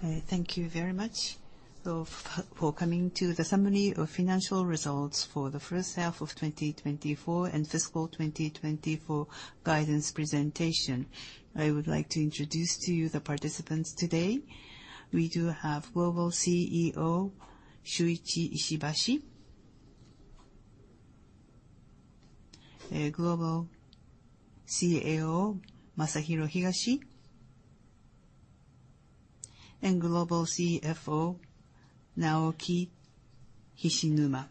Thank you very much for coming to the summary of financial results for the first half of 2024 and fiscal 2024 guidance presentation. I would like to introduce to you the participants today. We do have Global CEO Shuichi Ishibashi, Global CAO Masahiro Higashi, and Global CFO Naoki Hishinuma.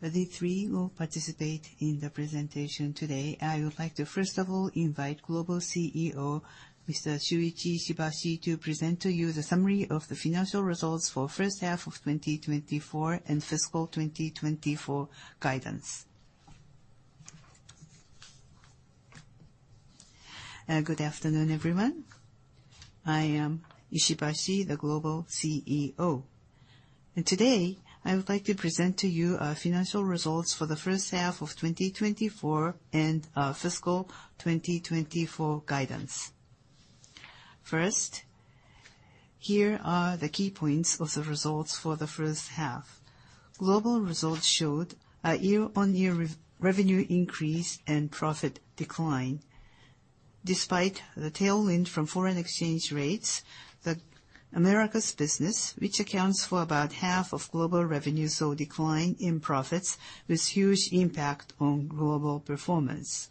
The three will participate in the presentation today. I would like to, first of all, invite Global CEO, Mr. Shuichi Ishibashi, to present to you the summary of the financial results for first half of 2024 and fiscal 2024 guidance. Good afternoon, everyone. I am Ishibashi, the Global CEO, and today I would like to present to you our financial results for the first half of 2024 and our fiscal 2024 guidance. First, here are the key points of the results for the first half. Global results showed a year-on-year revenue increase and profit decline. Despite the tailwind from foreign exchange rates, the Americas business, which accounts for about half of global revenue, saw a decline in profits with huge impact on global performance.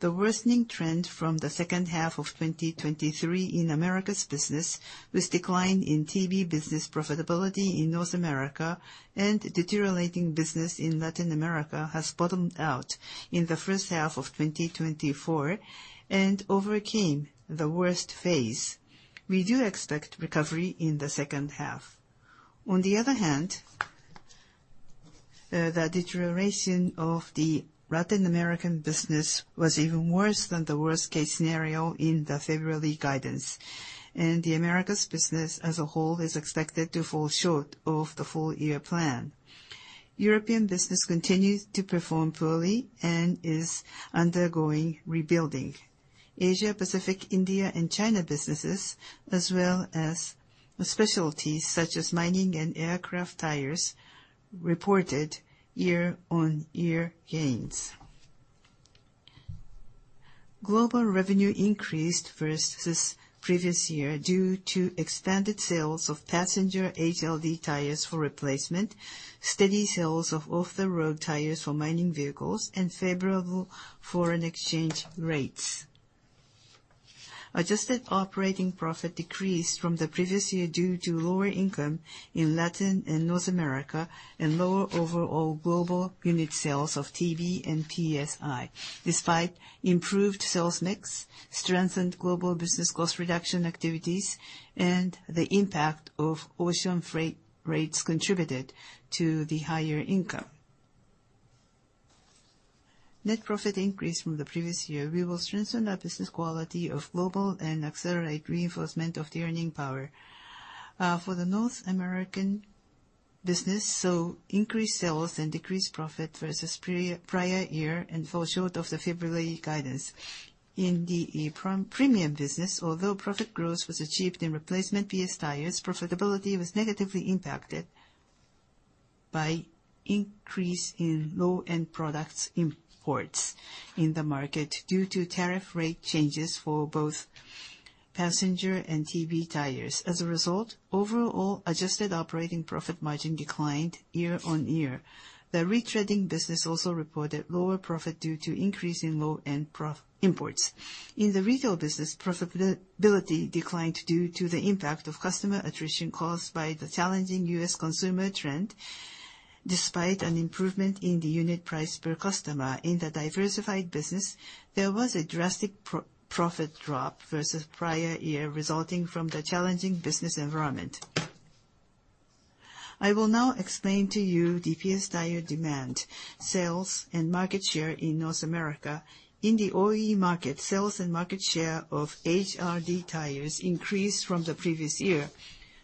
The worsening trend from the second half of 2023 in Americas business, with decline in TB business profitability in North America and deteriorating business in Latin America, has bottomed out in the first half of 2024 and overcame the worst phase. We do expect recovery in the second half. On the other hand, the deterioration of the Latin American business was even worse than the worst-case scenario in the February guidance, and the Americas business as a whole is expected to fall short of the full-year plan. European business continues to perform poorly and is undergoing rebuilding. Asia, Pacific, India, and China businesses, as well as specialties such as mining and aircraft tires, reported year-on-year gains. Global revenue increased versus previous year due to expanded sales of passenger HRD tires for replacement, steady sales of OTR tires for mining vehicles, and favorable foreign exchange rates. Adjusted operating profit decreased from the previous year due to lower income in Latin and North America and lower overall global unit sales of TB and PS. Despite improved sales mix, strengthened global business cost reduction activities, and the impact of ocean freight rates contributed to the higher income. Net profit increased from the previous year. We will strengthen our business quality of global and accelerate reinforcement of the earning power. For the North American business, increased sales and decreased profit versus prior year and fall short of the February guidance. In the premium business, although profit growth was achieved in replacement PS tires, profitability was negatively impacted by increase in low-end products imports in the market due to tariff rate changes for both passenger and TB tires. As a result, overall adjusted operating profit margin declined year-on-year. The retreading business also reported lower profit due to increase in low-end imports. In the retail business, profitability declined due to the impact of customer attrition caused by the challenging U.S. consumer trend, despite an improvement in the unit price per customer. In the diversified business, there was a drastic profit drop versus prior year, resulting from the challenging business environment. I will now explain to you the PS tire demand, sales, and market share in North America. In the OE market, sales and market share of HRD tires increased from the previous year.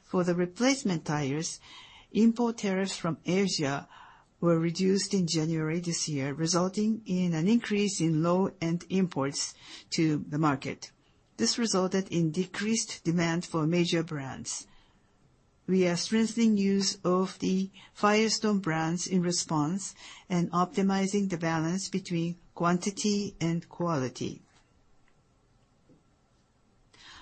For the replacement tires, import tariffs from Asia were reduced in January this year, resulting in an increase in low-end imports to the market. This resulted in decreased demand for major brands. We are strengthening use of the Firestone brands in response and optimizing the balance between quantity and quality.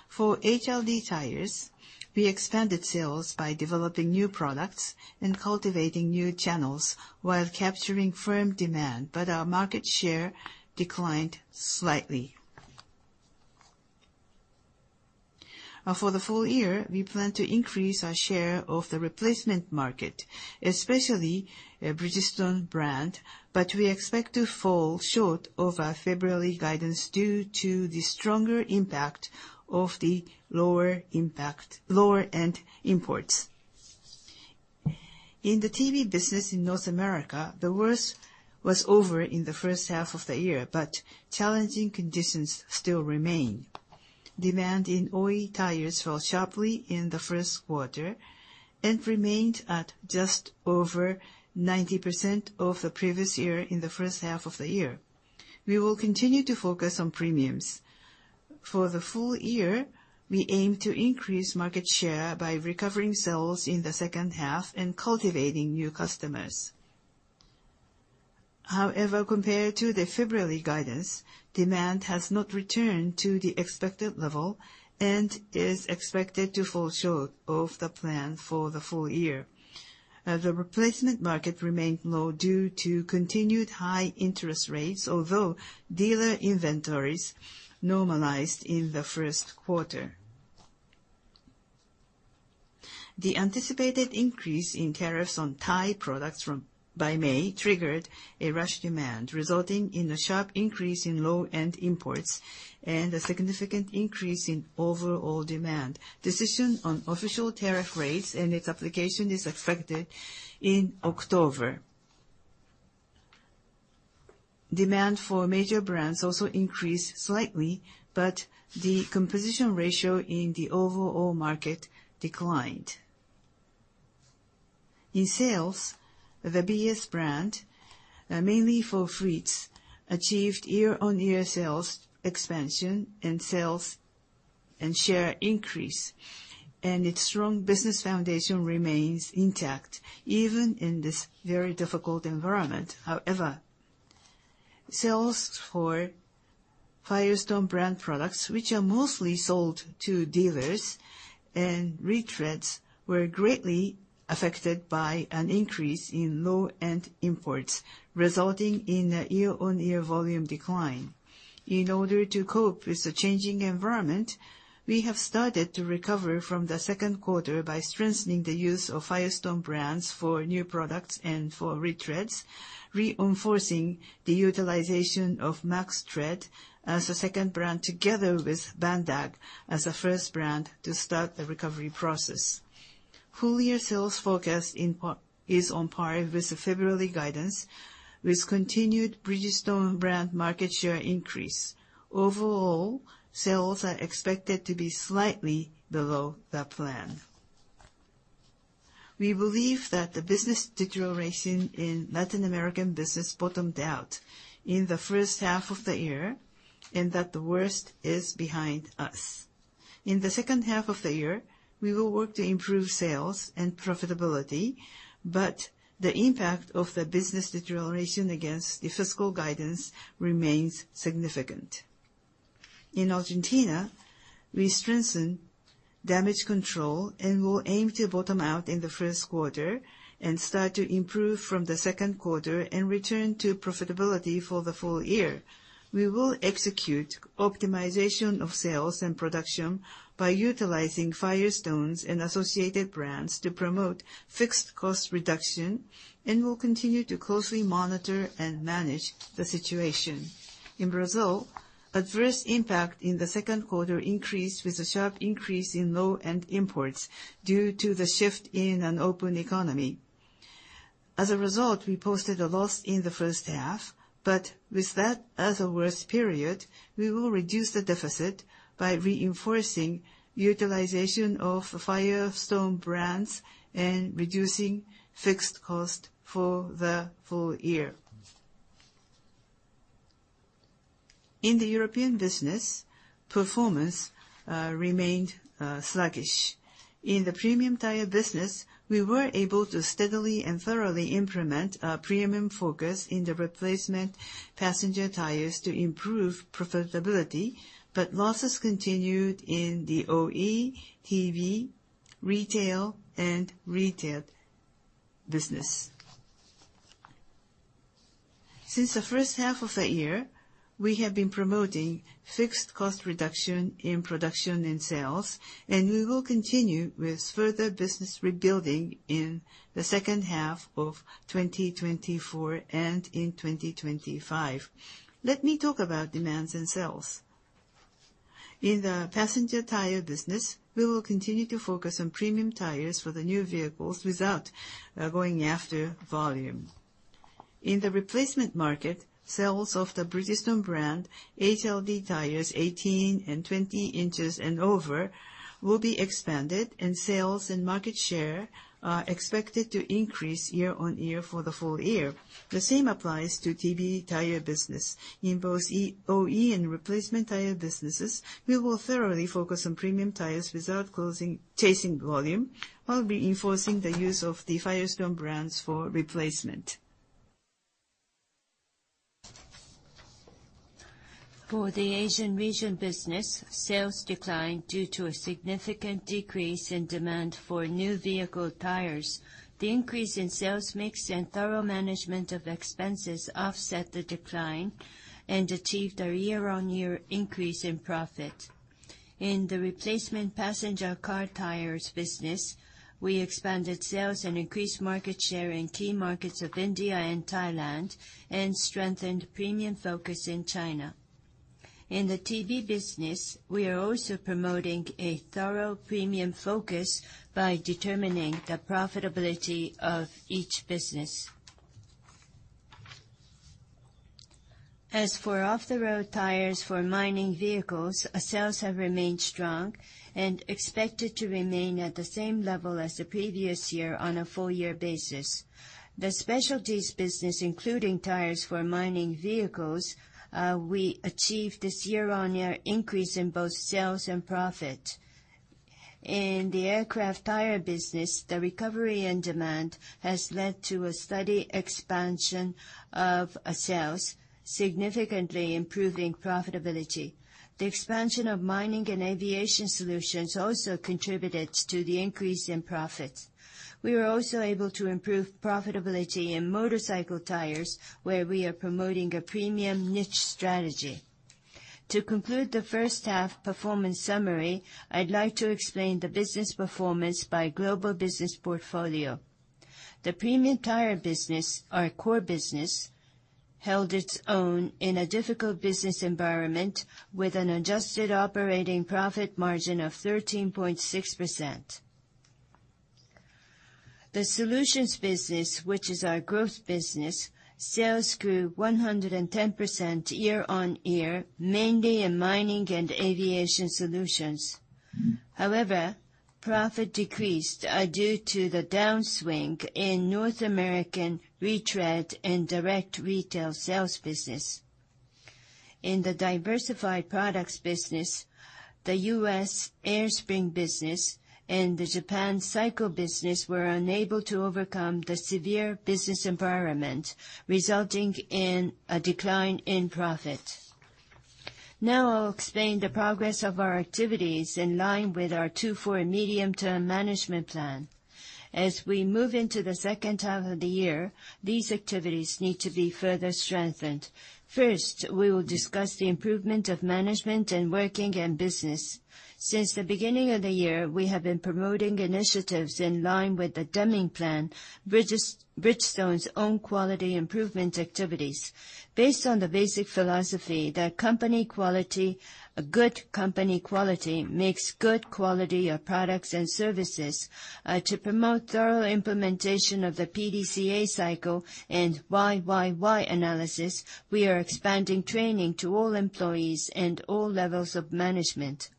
For HRD tires, we expanded sales by developing new products and cultivating new channels while capturing firm demand, but our market share declined slightly. For the full year, we plan to increase our share of the replacement market, especially Bridgestone brand, but we expect to fall short of our February guidance due to the stronger impact of the lower-end imports. In the TB business in North America, the worst was over in the first half of the year, but challenging conditions still remain. Demand in OE tires fell sharply in the first quarter and remained at just over 90% of the previous year in the first half of the year. We will continue to focus on premiums. For the full year, we aim to increase market share by recovering sales in the second half and cultivating new customers. However, compared to the February guidance, demand has not returned to the expected level and is expected to fall short of the plan for the full year. The replacement market remained low due to continued high interest rates, although dealer inventories normalized in the first quarter. The anticipated increase in tariffs on tire products by May triggered a rush demand, resulting in a sharp increase in low-end imports and a significant increase in overall demand. Decision on official tariff rates and its application is expected in October. Demand for major brands also increased slightly, but the composition ratio in the overall market declined. In sales, the BS brand, mainly for fleets, achieved year-on-year sales expansion in sales and share increase, and its strong business foundation remains intact, even in this very difficult environment. However, sales for Firestone brand products, which are mostly sold to dealers, and retreads were greatly affected by an increase in low-end imports, resulting in a year-on-year volume decline. In order to cope with the changing environment, we have started to recover from the second quarter by strengthening the use of Firestone brands for new products and for retreads, reinforcing the utilization of MaxTread as a second brand together with Bandag as a first brand to start the recovery process. Full-year sales forecast is on par with the February guidance, with continued Bridgestone brand market share increase. Overall, sales are expected to be slightly below the plan. We believe that the business deterioration in Latin American business bottomed out in the first half of the year, and that the worst is behind us. In the second half of the year, we will work to improve sales and profitability, but the impact of the business deterioration against the fiscal guidance remains significant. In Argentina, we strengthened damage control and will aim to bottom out in the first quarter, and start to improve from the second quarter and return to profitability for the full year. We will execute optimization of sales and production by utilizing Firestones and associated brands to promote fixed cost reduction, and will continue to closely monitor and manage the situation. In Brazil, adverse impact in the second quarter increased with a sharp increase in low-end imports due to the shift in an open economy. As a result, we posted a loss in the first half, but with that as a worse period, we will reduce the deficit by reinforcing utilization of Firestone brands and reducing fixed cost for the full year. In the European business, performance remained sluggish. In the premium tire business, we were able to steadily and thoroughly implement a premium focus in the replacement passenger tires to improve profitability, but losses continued in the OE, TB, retail, and retread business. Since the first half of the year, we have been promoting fixed cost reduction in production and sales, and we will continue with further business rebuilding in the second half of 2024 and in 2025. Let me talk about demands and sales. In the passenger tire business, we will continue to focus on premium tires for the new vehicles without going after volume. In the replacement market, sales of the Bridgestone brand HRD tires 18 and 20 inches and over will be expanded, and sales and market share are expected to increase year-on-year for the full year. The same applies to TB tire business. In both OE and replacement tire businesses, we will thoroughly focus on premium tires without chasing volume, while reinforcing the use of the Firestone brands for replacement. For the Asian region business, sales declined due to a significant decrease in demand for new vehicle tires. The increase in sales mix and thorough management of expenses offset the decline and achieved a year-on-year increase in profit. In the replacement passenger car tires business, we expanded sales and increased market share in key markets of India and Thailand, and strengthened premium focus in China. In the TB business, we are also promoting a thorough premium focus by determining the profitability of each business. As for off-the-road tires for mining vehicles, sales have remained strong and expected to remain at the same level as the previous year on a full-year basis. The specialties business, including tires for mining vehicles, we achieved this year-on-year increase in both sales and profit. In the aircraft tire business, the recovery and demand has led to a steady expansion of sales, significantly improving profitability. The expansion of mining and aviation solutions also contributed to the increase in profits. We were also able to improve profitability in motorcycle tires, where we are promoting a premium niche strategy. To conclude the first half performance summary, I'd like to explain the business performance by global business portfolio. The premium tire business, our core business, held its own in a difficult business environment with an adjusted operating profit margin of 13.6%. The solutions business, which is our growth business, sales grew 110% year-on-year, mainly in mining and aviation solutions. However, profit decreased due to the downswing in North American retread and direct retail sales business. In the diversified products business, the U.S. air spring business and the Japan cycle business were unable to overcome the severe business environment, resulting in a decline in profit. I'll explain the progress of our activities in line with our 2024 Mid-Term Plan. As we move into the second half of the year, these activities need to be further strengthened. First, we will discuss the improvement of management and working in business. Since the beginning of the year, we have been promoting initiatives in line with the Deming Plan, Bridgestone's own quality improvement activities. Based on the basic philosophy that good company quality makes good quality of products and services. To promote thorough implementation of the PDCA cycle and why-why-why analysis, we are expanding training to all employees and all levels of management.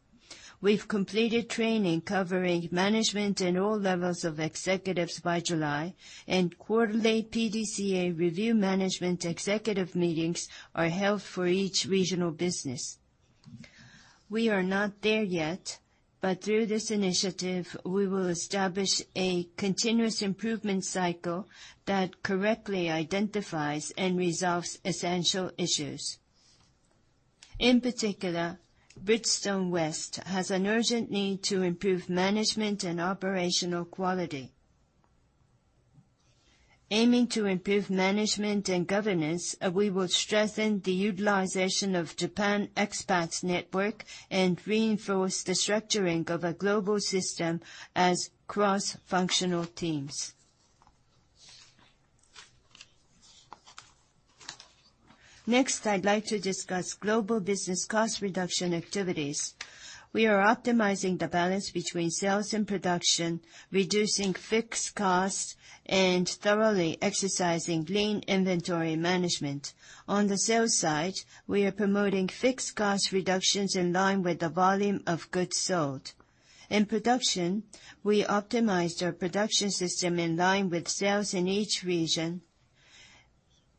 We've completed training covering management and all levels of executives by July, quarterly PDCA review management executive meetings are held for each regional business. We are not there yet, through this initiative, we will establish a continuous improvement cycle that correctly identifies and resolves essential issues. In particular, Bridgestone West has an urgent need to improve management and operational quality. Aiming to improve management and governance, we will strengthen the utilization of Japan expats network and reinforce the structuring of a global system as cross-functional teams. I'd like to discuss global business cost reduction activities. We are optimizing the balance between sales and production, reducing fixed costs, and thoroughly exercising lean inventory management. On the sales side, we are promoting fixed cost reductions in line with the volume of goods sold. In production, we optimized our production system in line with sales in each region,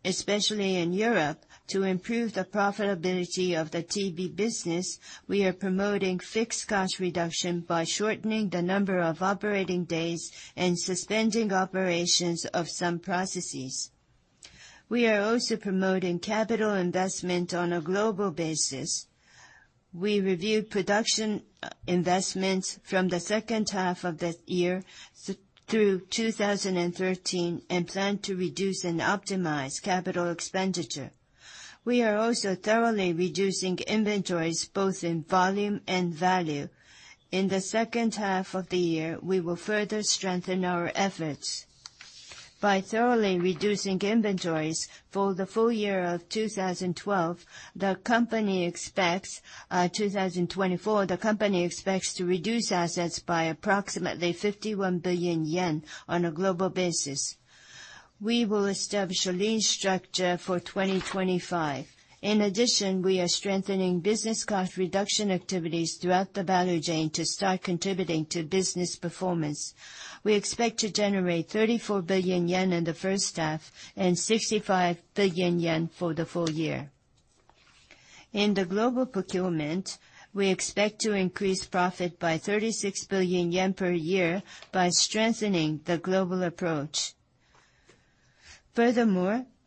especially in Europe. To improve the profitability of the TB business, we are promoting fixed cost reduction by shortening the number of operating days and suspending operations of some processes. We are also promoting capital investment on a global basis. We reviewed production investments from the second half of the year through 2013 and plan to reduce and optimize capital expenditure. We are also thoroughly reducing inventories both in volume and value. In the second half of the year, we will further strengthen our efforts. By thoroughly reducing inventories for the full year of 2024, the company expects to reduce assets by approximately 51 billion yen on a global basis. We will establish a lean structure for 2025. We are strengthening business cost reduction activities throughout the value chain to start contributing to business performance. We expect to generate 34 billion yen in the first half and 65 billion yen for the full year. In the global procurement, we expect to increase profit by 36 billion yen per year by strengthening the global approach.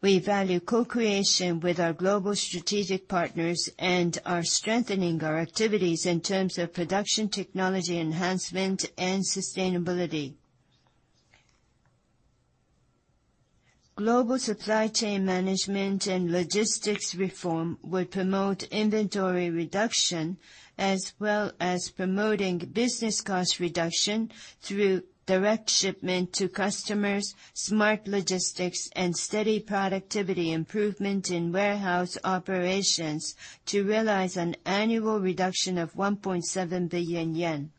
We value co-creation with our global strategic partners and are strengthening our activities in terms of production technology enhancement and sustainability. Global supply chain management and logistics reform will promote inventory reduction as well as promoting business cost reduction through direct shipment to customers, smart logistics, and steady productivity improvement in warehouse operations to realize an annual reduction of 1.7 billion yen.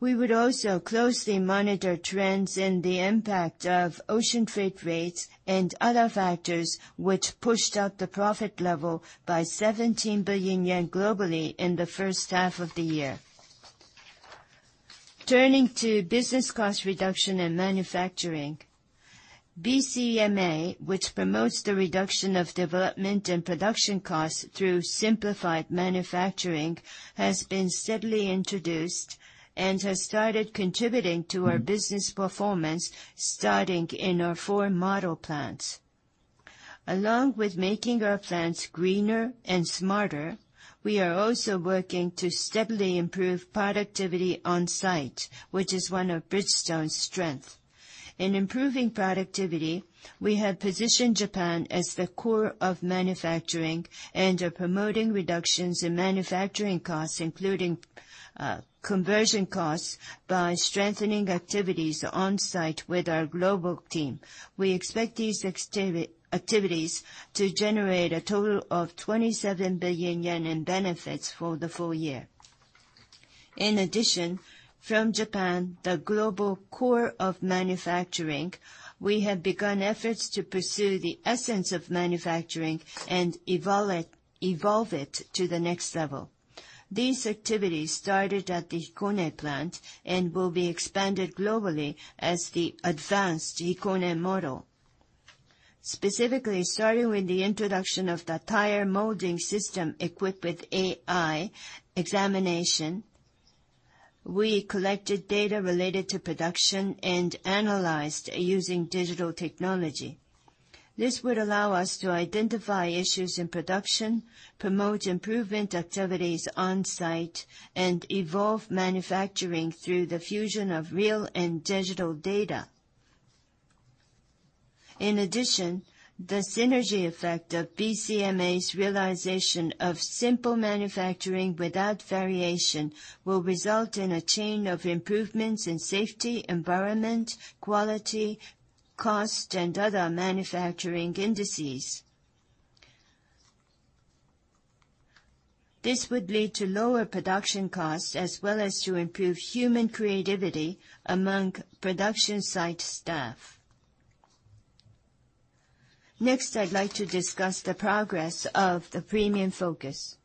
We would also closely monitor trends in the impact of ocean freight rates and other factors, which pushed up the profit level by 17 billion yen globally in the first half of the year. Turning to business cost reduction in manufacturing. BCMA, which promotes the reduction of development and production costs through simplified manufacturing, has been steadily introduced and has started contributing to our business performance, starting in our four model plants. Along with making our plants greener and smarter, we are also working to steadily improve productivity on site, which is one of Bridgestone's strength. In improving productivity, we have positioned Japan as the core of manufacturing and are promoting reductions in manufacturing costs, including conversion costs, by strengthening activities on site with our global team. We expect these activities to generate a total of 27 billion yen in benefits for the full year. In addition, from Japan, the global core of manufacturing, we have begun efforts to pursue the essence of manufacturing and evolve it to the next level. These activities started at the Hikone plant and will be expanded globally as the advanced Hikone model. Specifically starting with the introduction of the tire molding system equipped with AI examination, we collected data related to production and analyzed using digital technology. This would allow us to identify issues in production, promote improvement activities on site, and evolve manufacturing through the fusion of real and digital data. In addition, the synergy effect of BCMA's realization of simple manufacturing without variation will result in a chain of improvements in safety, environment, quality, cost, and other manufacturing indices. This would lead to lower production costs, as well as to improve human creativity among production site staff. Next, I'd like to discuss the progress of the premium focus.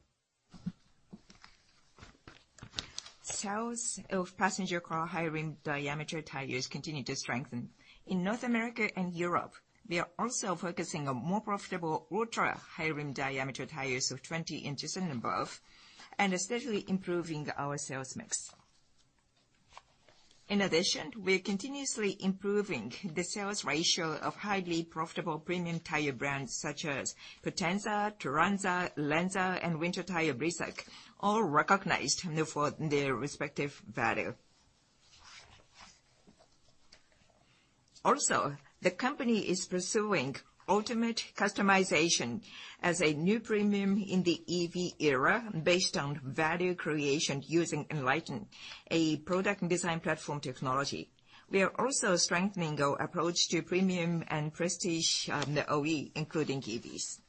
Sales of passenger car high rim diameter tires continue to strengthen. In North America and Europe, we are also focusing on more profitable ultra-high rim diameter tires of 20 inches and above, and are steadily improving our sales mix. In addition, we are continuously improving the sales ratio of highly profitable premium tire brands such as POTENZA, TURANZA, ALENZA, and winter tire, BLIZZAK, all recognized for their respective value. Also, the company is pursuing ultimate customization as a new premium in the EV era based on value creation using ENLITEN, a product and design platform technology. We are also strengthening our approach to premium and prestige on the OE, including EVs.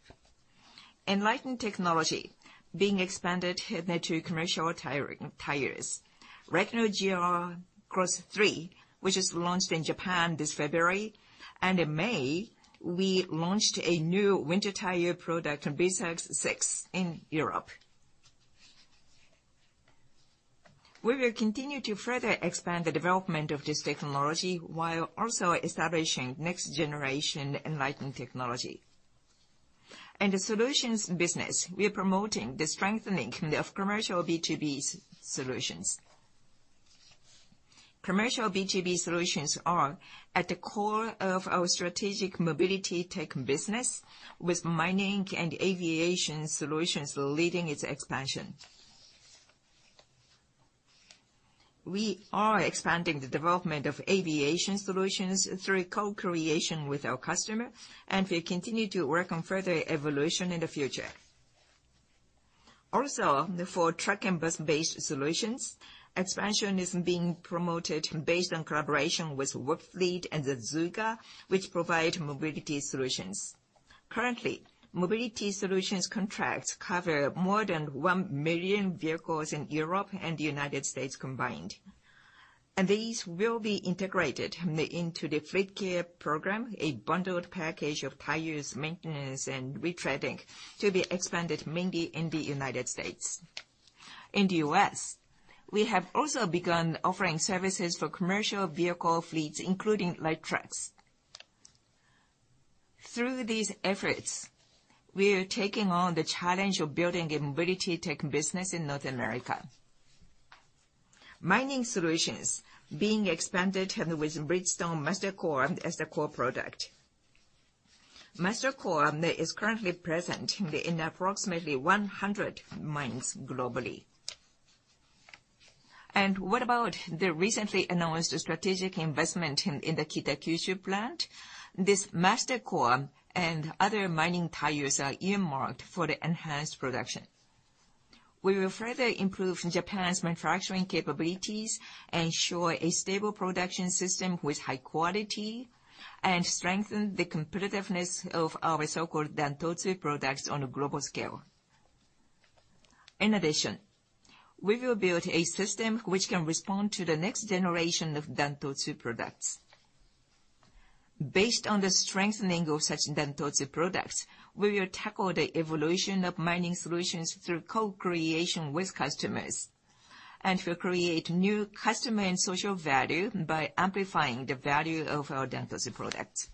ENLITEN technology being expanded to commercial tires. DUELER GR Cross 3, which was launched in Japan this February, and in May, we launched a new winter tire product, BLIZZAK 6, in Europe. We will continue to further expand the development of this technology while also establishing next generation ENLITEN technology. In the solutions business, we are promoting the strengthening of commercial B2B solutions. Commercial B2B solutions are at the core of our strategic mobility tech business with mining and aviation solutions leading its expansion. We are expanding the development of aviation solutions through co-creation with our customer, and we continue to work on further evolution in the future. Also, for truck and bus-based solutions, expansion is being promoted based on collaboration with Webfleet and Azuga, which provide mobility solutions. Currently, mobility solutions contracts cover more than 1 million vehicles in Europe and the United States combined. These will be integrated into the FleetCare program, a bundled package of tires, maintenance, and retreading to be expanded mainly in the United States. In the U.S., we have also begun offering services for commercial vehicle fleets, including light trucks. Through these efforts, we are taking on the challenge of building a mobility tech business in North America. Mining solutions being expanded with Bridgestone MasterCore as the core product. MasterCore is currently present in approximately 100 mines globally. What about the recently announced strategic investment in the Kitakyushu plant? This MasterCore and other mining tires are earmarked for the enhanced production. We will further improve Japan's manufacturing capabilities, ensure a stable production system with high quality, and strengthen the competitiveness of our so-called Dan-Totsu products on a global scale. In addition, we will build a system which can respond to the next generation of Dan-Totsu products. Based on the strengthening of such Dan-Totsu products, we will tackle the evolution of mining solutions through co-creation with customers and will create new customer and social value by amplifying the value of our Dan-Totsu products.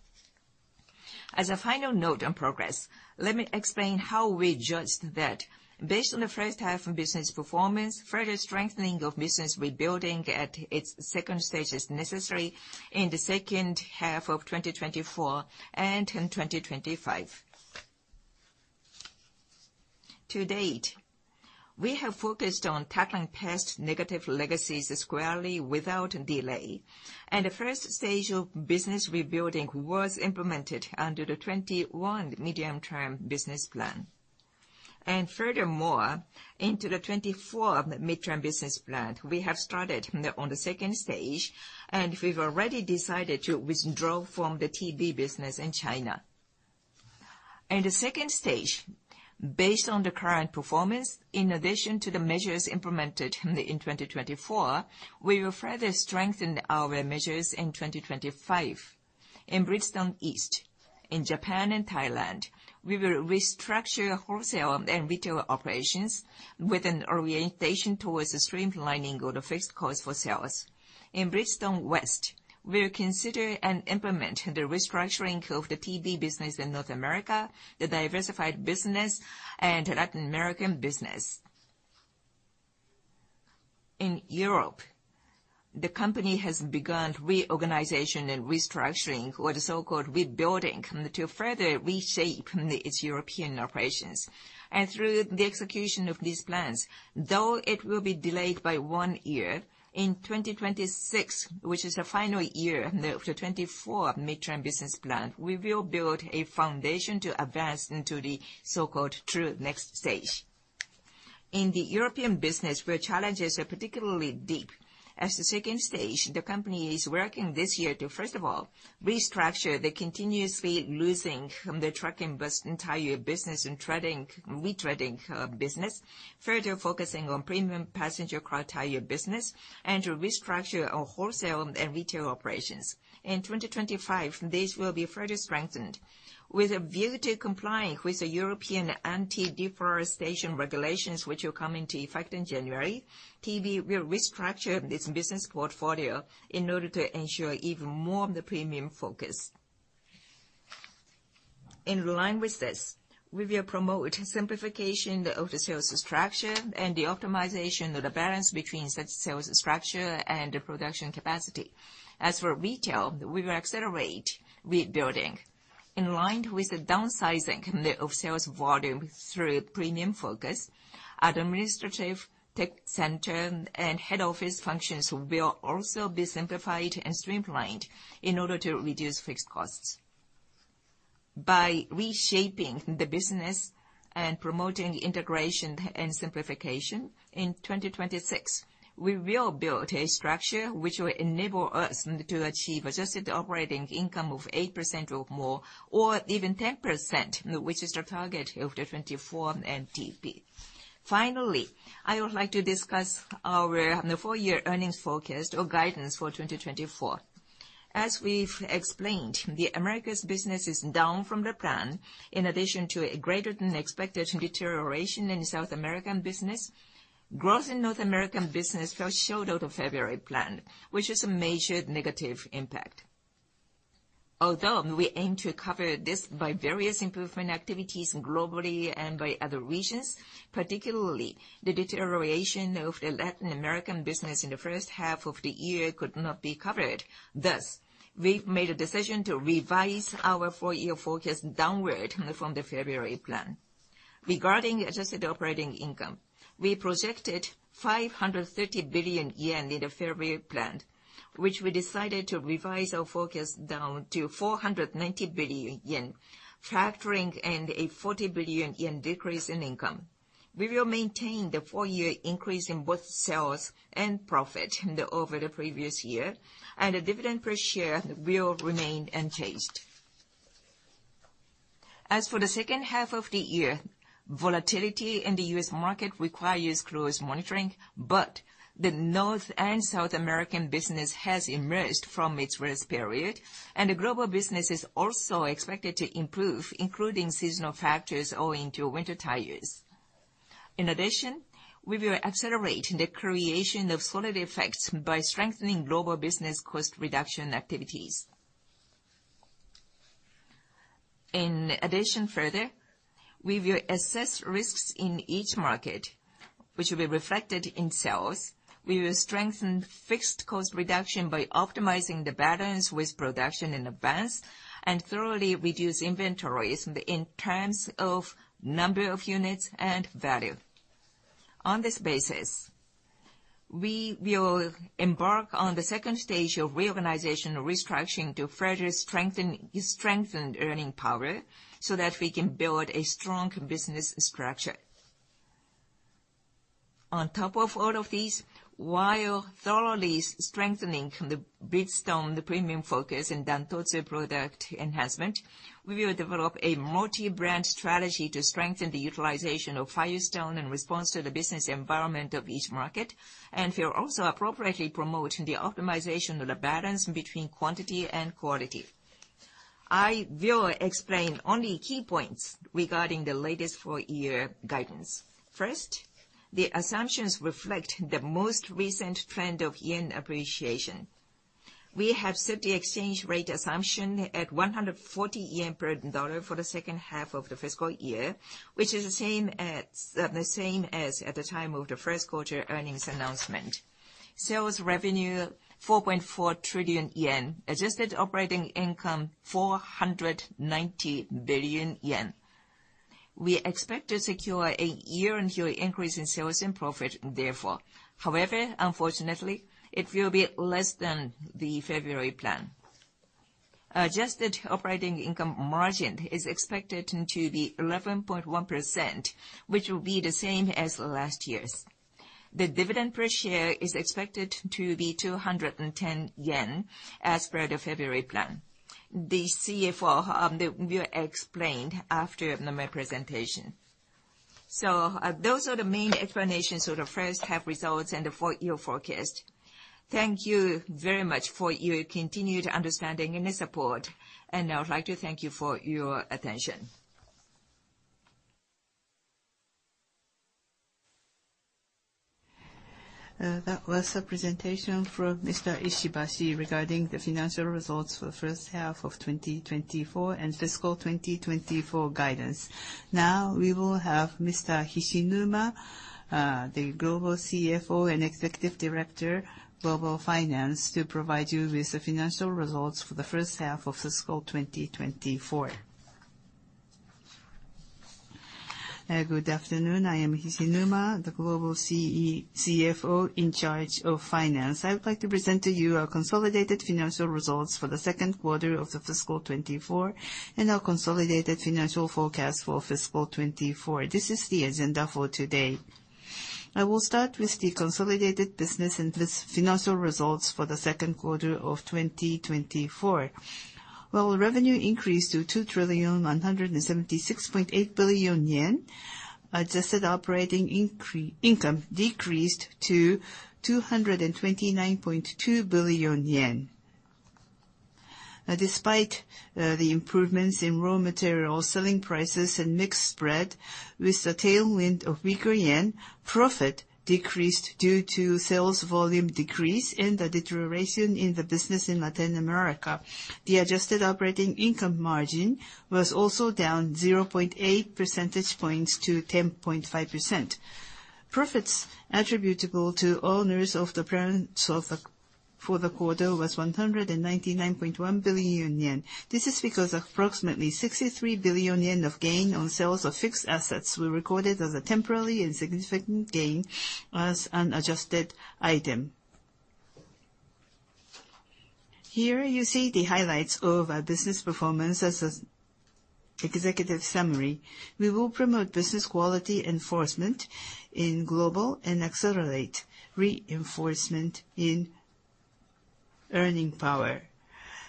As a final note on progress, let me explain how we judged that based on the first half business performance, further strengthening of business rebuilding at its stage 2 is necessary in the second half of 2024 and in 2025. To date, we have focused on tackling past negative legacies squarely without delay, the stage 1 of business rebuilding was implemented under the 2021 Mid-Term Business Plan. Furthermore, into the 2024 Mid-Term Business Plan, we have started on the stage 2. We have already decided to withdraw from the TB business in China. In the stage 2, based on the current performance, in addition to the measures implemented in 2024, we will further strengthen our measures in 2025. In Bridgestone East, in Japan and Thailand, we will restructure wholesale and retail operations with an orientation towards the streamlining of the fixed costs for sales. In Bridgestone West, we will consider and implement the restructuring of the TB business in North America, the diversified business, and Latin American business. In Europe, the company has begun reorganization and restructuring, or the so-called rebuilding, to further reshape its European operations. Through the execution of these plans, though it will be delayed by one year, in 2026, which is the final year of the 2024 Mid-Term Business Plan, we will build a foundation to advance into the so-called true next stage. In the European business, where challenges are particularly deep, as the stage 2, the company is working this year to, first of all, restructure the continuously losing the truck and bus tire business and retreading business, further focusing on premium passenger car tire business, to restructure our wholesale and retail operations. In 2025, this will be further strengthened. With a view to complying with the European anti-deforestation regulations, which will come into effect in January, TB will restructure its business portfolio in order to ensure even more of the premium focus. In line with this, we will promote simplification of the sales structure and the optimization of the balance between such sales structure and the production capacity. As for retail, we will accelerate rebuilding. In line with the downsizing of sales volume through premium focus, our administrative tech center and head office functions will also be simplified and streamlined in order to reduce fixed costs. By reshaping the business and promoting integration and simplification in 2026, we will build a structure which will enable us to achieve adjusted operating income of 8% or more, or even 10%, which is the target of the 2024 MTP. Finally, I would like to discuss our full-year earnings forecast or guidance for 2024. As we've explained, the Americas business is down from the plan. In addition to a greater-than-expected deterioration in South American business, growth in North American business fell short of the February plan, which is a major negative impact. Although we aim to cover this by various improvement activities globally and by other regions, particularly the deterioration of the Latin American business in the first half of the year could not be covered. Thus, we've made a decision to revise our full-year forecast downward from the February plan. Regarding adjusted operating income, we projected 530 billion yen in the February plan, which we decided to revise our forecast down to 490 billion yen, factoring in a 40 billion yen decrease in income. We will maintain the full-year increase in both sales and profit over the previous year, and the dividend per share will remain unchanged. As for the second half of the year, volatility in the U.S. market requires close monitoring, but the North and South American business has emerged from its worst period, and the global business is also expected to improve, including seasonal factors owing to winter tires. In addition, we will accelerate the creation of solid effects by strengthening global business cost reduction activities. Further, we will assess risks in each market, which will be reflected in sales. We will strengthen fixed cost reduction by optimizing the balance with production in advance and thoroughly reduce inventories in terms of number of units and value. On this basis, we will embark on the stage 2 of reorganization restructuring to further strengthen earning power so that we can build a strong business structure. On top of all of these, while thoroughly strengthening the Bridgestone premium focus and Dan-Totsu product enhancement, we will develop a multi-brand strategy to strengthen the utilization of Firestone in response to the business environment of each market, and we are also appropriately promoting the optimization of the balance between quantity and quality. I will explain only key points regarding the latest full-year guidance. First, the assumptions reflect the most recent trend of JPY appreciation. We have set the exchange rate assumption at 140 yen per U.S. dollar for the second half of the fiscal year, which is the same as at the time of the first quarter earnings announcement. Sales revenue 4.4 trillion yen, adjusted operating income 490 billion yen. We expect to secure a year-on-year increase in sales and profit, therefore. However, unfortunately, it will be less than the February plan. Adjusted operating income margin is expected to be 11.1%, which will be the same as last year's. The dividend per share is expected to be 210 yen as per the February plan. The CFO will explain after my presentation. Those are the main explanations for the first half results and the full-year forecast. Thank you very much for your continued understanding and support. I would like to thank you for your attention. That was the presentation from Mr. Ishibashi regarding the financial results for the first half of 2024 and fiscal 2024 guidance. Now we will have Mr. Hishinuma, the Global CFO and Executive Director of Global Finance, to provide you with the financial results for the first half of fiscal 2024. Good afternoon. I am Hishinuma, the Global CFO in charge of finance. I would like to present to you our consolidated financial results for the second quarter of fiscal 2024 and our consolidated financial forecast for fiscal 2024. This is the agenda for today. I will start with the consolidated business and the financial results for the second quarter of 2024. While revenue increased to 2,176.8 billion yen, adjusted operating income decreased to 229.2 billion yen. Despite the improvements in raw material selling prices and mix spread with the tailwind of weaker yen, profit decreased due to sales volume decrease and the deterioration in the business in Latin America. The adjusted operating income margin was also down 0.8 percentage points to 10.5%. Profits attributable to owners of the parent for the quarter was 199.1 billion yen. This is because approximately 63 billion yen of gain on sales of fixed assets were recorded as a temporarily insignificant gain as an adjusted item. Here you see the highlights of our business performance. As an executive summary, we will promote business quality enforcement in global and accelerate reinforcement in earning power.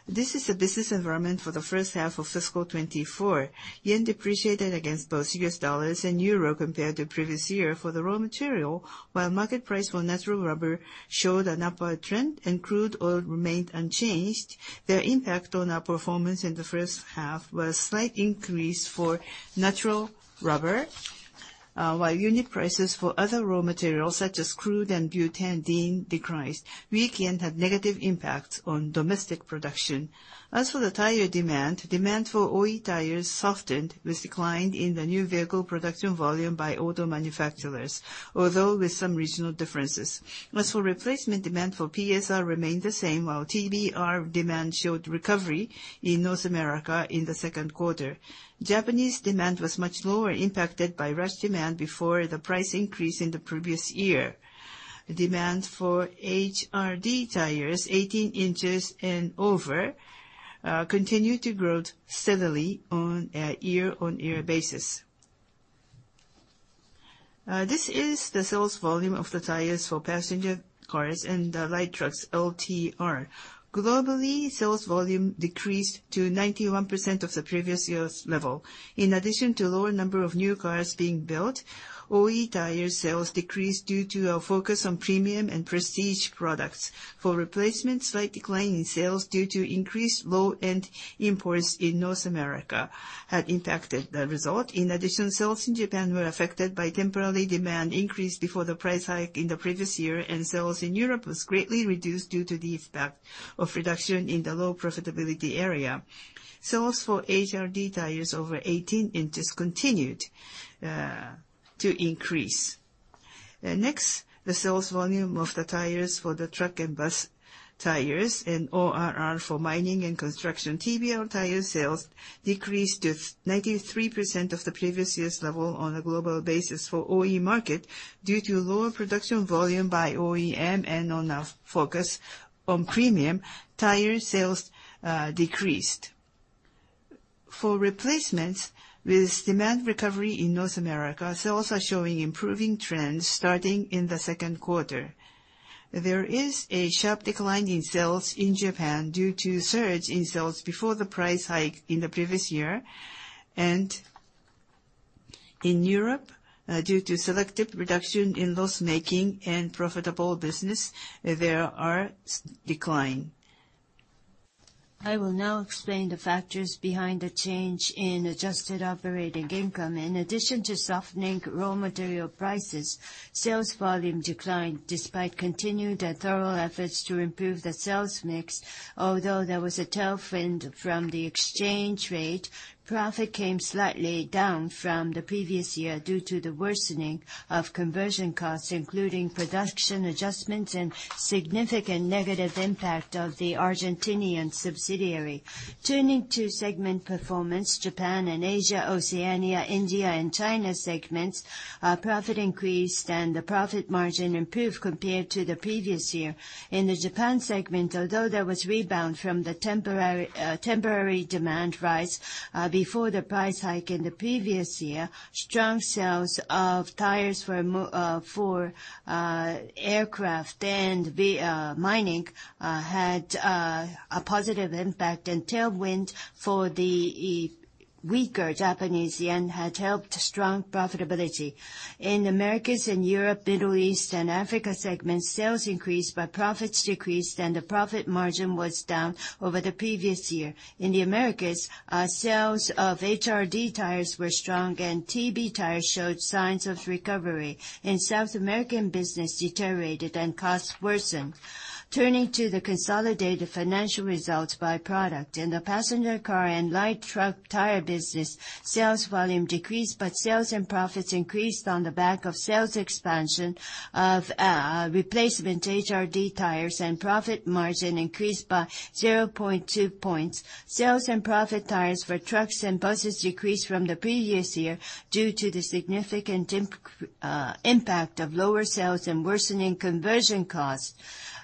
This is the business environment for the first half of fiscal 2024. Yen depreciated against both U.S. dollars and euro compared to previous year for the raw material, while market price for natural rubber showed an upward trend and crude oil remained unchanged. Their impact on our performance in the first half was slight increase for natural rubber, while unit prices for other raw materials such as crude and butadiene decreased. Weak yen had negative impacts on domestic production. As for the tire demand for OE tires softened with decline in the new vehicle production volume by auto manufacturers, although with some regional differences. As for replacement demand for PSR remained the same, while TBR demand showed recovery in North America in the second quarter. Japanese demand was much lower impacted by rush demand before the price increase in the previous year. Demand for HRD tires 18 inches and over continued to grow steadily on a year-on-year basis. This is the sales volume of the tires for passenger cars and light trucks, LTR. Globally, sales volume decreased to 91% of the previous year's level. In addition to lower number of new cars being built, OE tire sales decreased due to our focus on premium and prestige products. For replacement, slight decline in sales due to increased low-end imports in North America had impacted the result. Sales in Japan were affected by temporary demand increase before the price hike in the previous year, and sales in Europe was greatly reduced due to the effect of reduction in the low profitability area. Sales for HRD tires over 18 inches continued to increase. Next, the sales volume of the tires for the truck and bus tires and OTR for mining and construction. TBR tire sales decreased to 93% of the previous year's level on a global basis for OE market due to lower production volume by OEM and on our focus on premium, tire sales decreased. For replacements, with demand recovery in North America, sales are showing improving trends starting in the second quarter. There is a sharp decline in sales in Japan due to surge in sales before the price hike in the previous year. In Europe, due to selective reduction in loss-making and profitable business, there are decline. I will now explain the factors behind the change in adjusted operating income. In addition to softening raw material prices, sales volume declined despite continued and thorough efforts to improve the sales mix. Although there was a tailwind from the exchange rate, profit came slightly down from the previous year due to the worsening of conversion costs, including production adjustments and significant negative impact of the Argentinian subsidiary. Turning to segment performance, Japan and Asia, Oceania, India, and China segments profit increased and the profit margin improved compared to the previous year. In the Japan segment, although there was rebound from the temporary demand rise before the price hike in the previous year, strong sales of tires for aircraft and mining had a positive impact, and tailwind for the weaker Japanese yen had helped strong profitability. In Americas and Europe, Middle East, and Africa segments, sales increased, profits decreased, and the profit margin was down over the previous year. In the Americas, sales of HRD tires were strong, TB tires showed signs of recovery. In South American business deteriorated and costs worsened. Turning to the consolidated financial results by product. In the passenger car and light truck tire business, sales volume decreased, sales and profits increased on the back of sales expansion of replacement HRD tires and profit margin increased by 0.2 points. Sales and profit tires for trucks and buses decreased from the previous year due to the significant impact of lower sales and worsening conversion costs.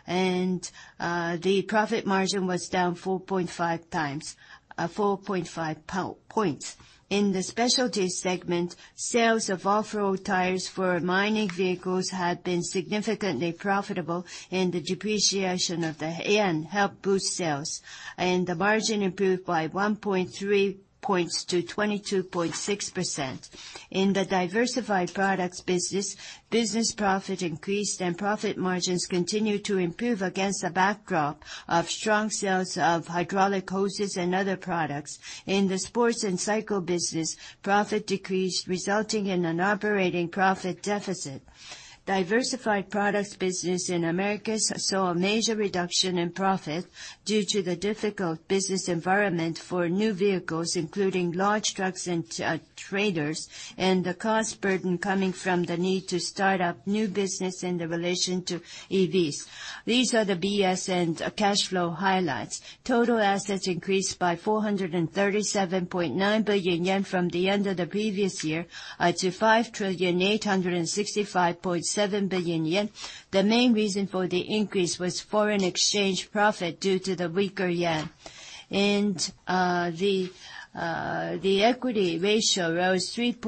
The profit margin was down 4.5 points. In the specialty segment, sales of OTR tires for mining vehicles had been significantly profitable, the depreciation of the JPY helped boost sales. The margin improved by 1.3 points to 22.6%. In the diversified products business profit increased, profit margins continued to improve against a backdrop of strong sales of hydraulic hoses and other products. In the sports and cycle business, profit decreased, resulting in an operating profit deficit. Diversified products business in Americas saw a major reduction in profit due to the difficult business environment for new vehicles, including large trucks and trailers, the cost burden coming from the need to start up new business in the relation to EVs. These are the BS and cash flow highlights. Total assets increased by 437.9 billion yen from the end of the previous year to 5,865.7 billion yen. The main reason for the increase was foreign exchange profit due to the weaker JPY. The equity ratio rose 3.0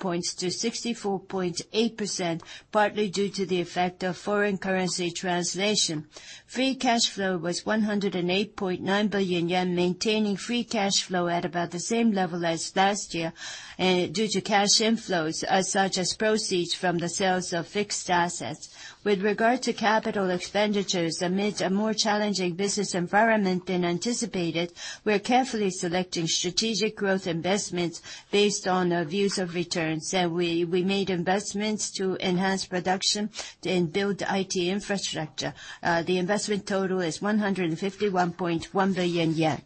points to 64.8%, partly due to the effect of foreign currency translation. Free cash flow was 108.9 billion yen, maintaining free cash flow at about the same level as last year due to cash inflows, such as proceeds from the sales of fixed assets. With regard to capital expenditures, amid a more challenging business environment than anticipated, we are carefully selecting strategic growth investments based on our views of returns. We made investments to enhance production and build IT infrastructure. The investment total is 151.1 billion yen.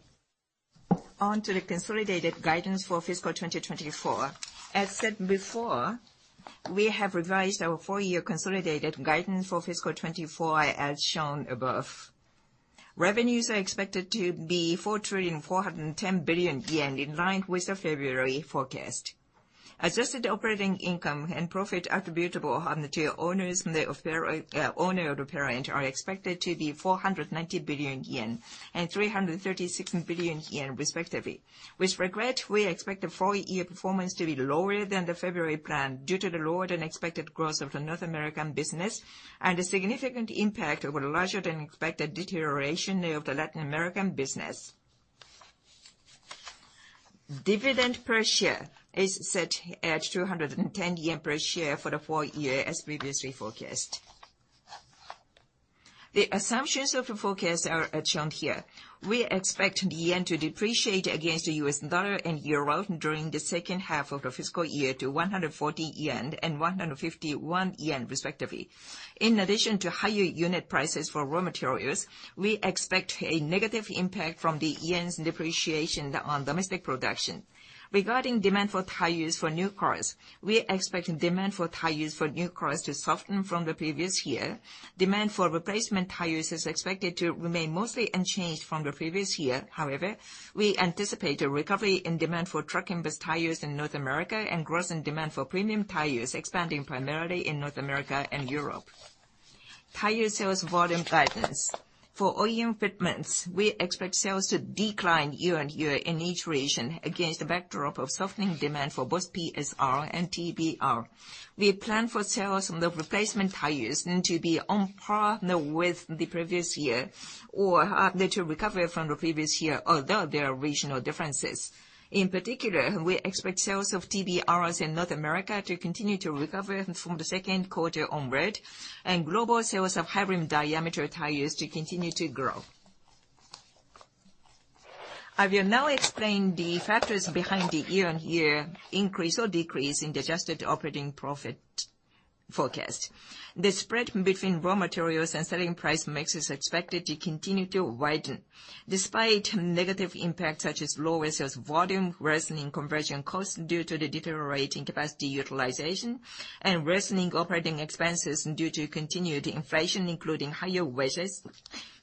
On to the consolidated guidance for fiscal 2024. As said before, we have revised our full-year consolidated guidance for fiscal 2024 as shown above. Revenues are expected to be 4,410 billion yen in line with the February forecast. Adjusted operating income and profit attributable to owners and the owner of the parent are expected to be 490 billion yen and 336 billion yen respectively. With regret, we expect the full-year performance to be lower than the February plan due to the lower-than-expected growth of the North American business and the significant impact of a larger-than-expected deterioration of the Latin American business. Dividend per share is set at 210 yen per share for the full year as previously forecast. The assumptions of the forecast are shown here. We expect the yen to depreciate against the US dollar and euro during the second half of the fiscal year to 140 yen and 151 yen respectively. In addition to higher unit prices for raw materials, we expect a negative impact from the yen's depreciation on domestic production. Regarding demand for tires for new cars, we expect demand for tires for new cars to soften from the previous year. Demand for replacement tires is expected to remain mostly unchanged from the previous year. However, we anticipate a recovery in demand for truck and bus tires in North America and growth in demand for premium tires expanding primarily in North America and Europe. Tire sales volume guidance. For OEM fitments, we expect sales to decline year-over-year in each region against the backdrop of softening demand for both PSR and TBR. We plan for sales on the replacement tires to be on par now with the previous year, or they to recover from the previous year, although there are regional differences. In particular, we expect sales of TBRs in North America to continue to recover from the second quarter onward, and global sales of high rim diameter tires to continue to grow. I will now explain the factors behind the year-over-year increase or decrease in the adjusted operating profit forecast. The spread between raw materials and selling price mix is expected to continue to widen. Despite negative impacts such as low sales volume, rising conversion costs due to the deteriorating capacity utilization, and rising operating expenses due to continued inflation, including higher wages,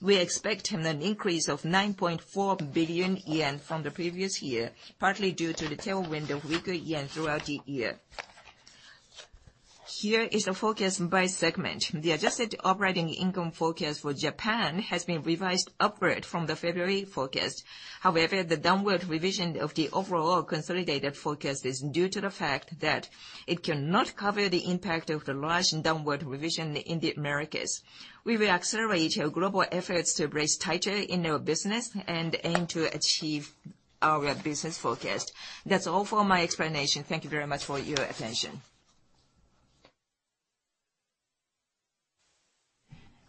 we expect an increase of 9.4 billion yen from the previous year, partly due to the tailwind of weaker yen throughout the year. Here is the forecast by segment. The adjusted operating income forecast for Japan has been revised upward from the February forecast. However, the downward revision of the overall consolidated forecast is due to the fact that it cannot cover the impact of the large downward revision in the Americas. We will accelerate our global efforts to raise targets in our business and aim to achieve our business forecast. That's all for my explanation. Thank you very much for your attention.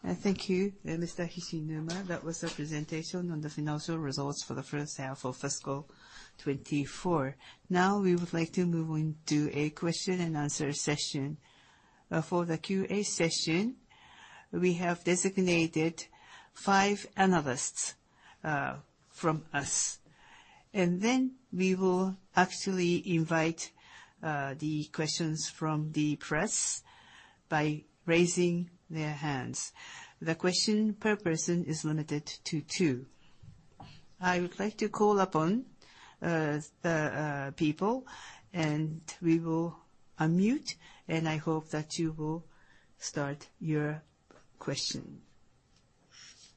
Thank you, Mr. Hishinuma. That was the presentation on the financial results for the first half of fiscal 2024. Now we would like to move into a Q&A session. For the Q&A session, we have designated five analysts from us, and then we will actually invite the questions from the press by raising their hands. The question per person is limited to two. I would like to call upon the people, and we will unmute, and I hope that you will start your question.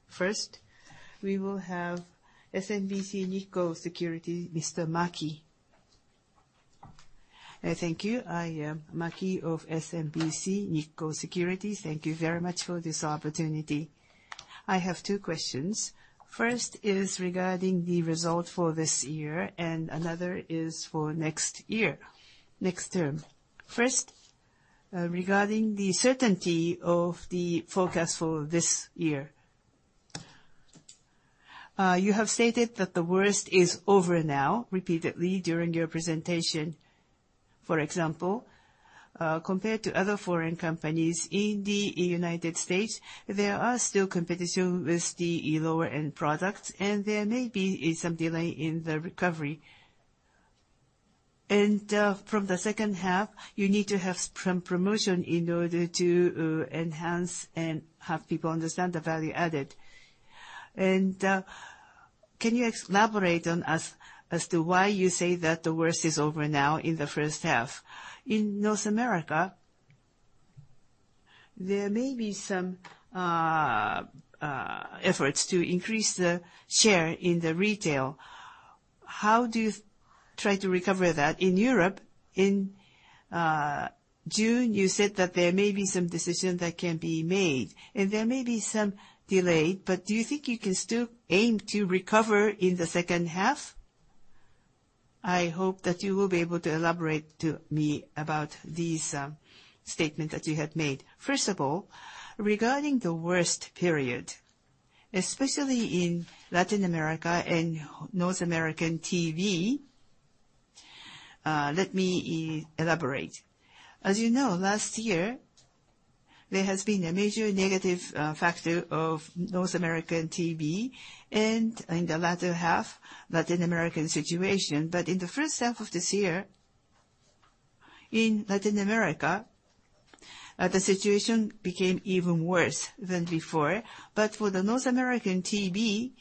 First, we will have SMBC Nikko Securities, Mr. Maki. Thank you. I am Maki of SMBC Nikko Securities. Thank you very much for this opportunity. I have two questions. First is regarding the result for this year, and another is for next year, next term. First, regarding the certainty of the forecast for this year. You have stated that the worst is over now repeatedly during your presentation. For example, compared to other foreign companies in the U.S., there are still competition with the lower-end products, and there may be some delay in the recovery. From the second half, you need to have some promotion in order to enhance and have people understand the value added. Can you elaborate on as to why you say that the worst is over now in the first half? In North America, there may be some efforts to increase the share in the retail. How do you try to recover that? In Europe, in June, you said that there may be some decision that can be made and there may be some delay, but do you think you can still aim to recover in the second half? I hope that you will be able to elaborate to me about these statement that you have made. First of all, regarding the worst period, especially in Latin America and North American TB, let me elaborate. As you know, last year, there has been a major negative factor of North American TB, and in the latter half, Latin American situation. In the first half of this year, in Latin America, the situation became even worse than before. For the North American TB,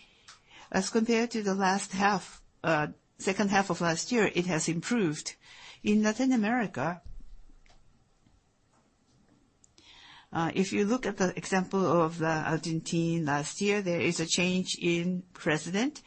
as compared to the second half of last year, it has improved. In Latin America, if you look at the example of Argentina last year, there is a change in president.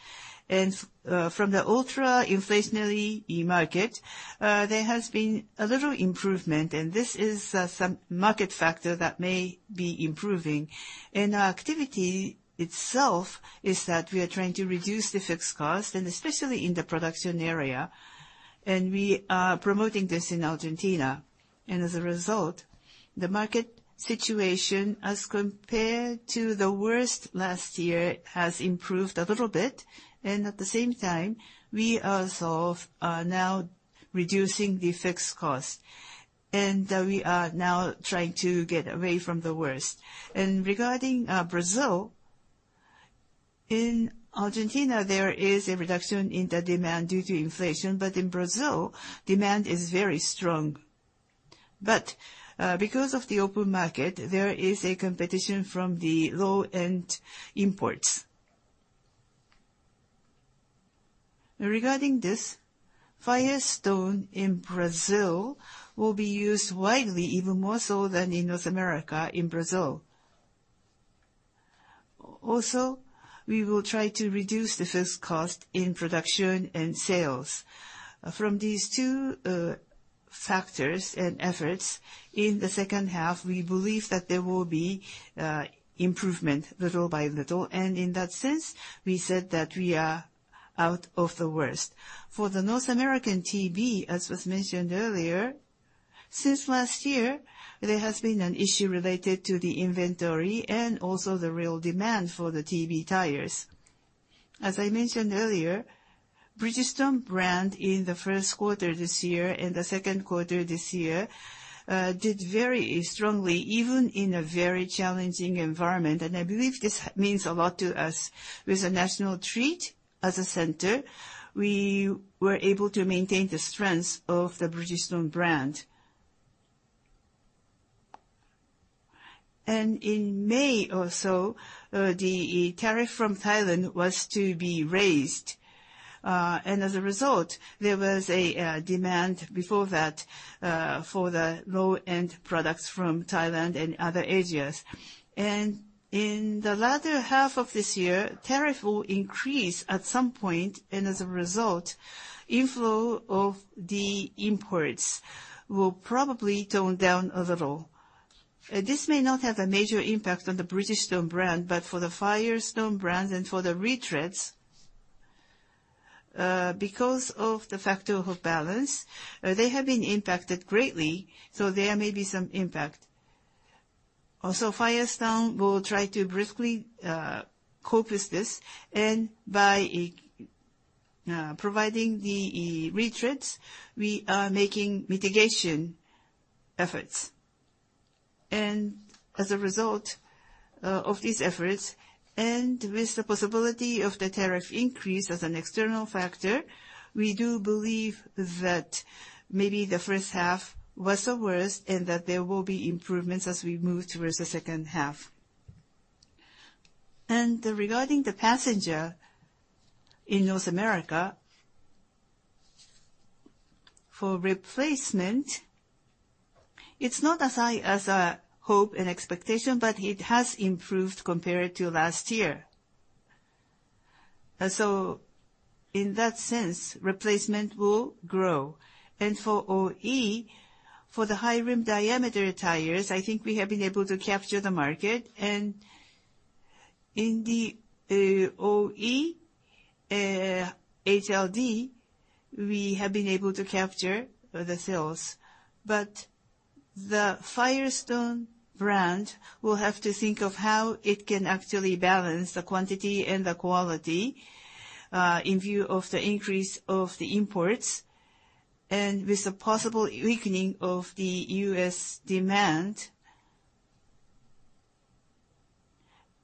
From the ultra-inflationary market, there has been a little improvement, and this is some market factor that may be improving. Our activity itself is that we are trying to reduce the fixed cost, and especially in the production area, and we are promoting this in Argentina. As a result, the market situation as compared to the worst last year has improved a little bit. At the same time, we also are now reducing the fixed cost, and we are now trying to get away from the worst. Regarding Brazil, in Argentina, there is a reduction in the demand due to inflation. In Brazil, demand is very strong. Because of the open market, there is a competition from the low-end imports. Regarding this, Firestone in Brazil will be used widely, even more so than in North America, in Brazil. Also, we will try to reduce the fixed cost in production and sales. From these two factors and efforts in the second half, we believe that there will be improvement little by little. In that sense, we said that we are out of the worst. For the North American TB, as was mentioned earlier, since last year, there has been an issue related to the inventory and also the real demand for the TB tires. As I mentioned earlier, Bridgestone brand in the first quarter this year and the second quarter this year did very strongly, even in a very challenging environment, and I believe this means a lot to us. With a national fleet as a center, we were able to maintain the strength of the Bridgestone brand. In May or so, the tariff from Thailand was to be raised. As a result, there was a demand before that for the low-end products from Thailand and other areas. In the latter half of this year, tariff will increase at some point, and as a result, inflow of the imports will probably tone down a little. This may not have a major impact on the Bridgestone brand, but for the Firestone brand and for the retreads, because of the factor of balance, they have been impacted greatly, so there may be some impact. Also, Firestone will try to briskly cope with this, and by providing the retreads, we are making mitigation efforts. As a result of these efforts, and with the possibility of the tariff increase as an external factor, we do believe that maybe the first half was the worst and that there will be improvements as we move towards the second half. Regarding the passenger in North America, for replacement, it's not as high as our hope and expectation, but it has improved compared to last year. So in that sense, replacement will grow. For OE, for the High Rim Diameter tires, I think we have been able to capture the market. In the OE HRD, we have been able to capture the sales. But the Firestone brand will have to think of how it can actually balance the quantity and the quality in view of the increase of the imports, and with the possible weakening of the U.S. demand.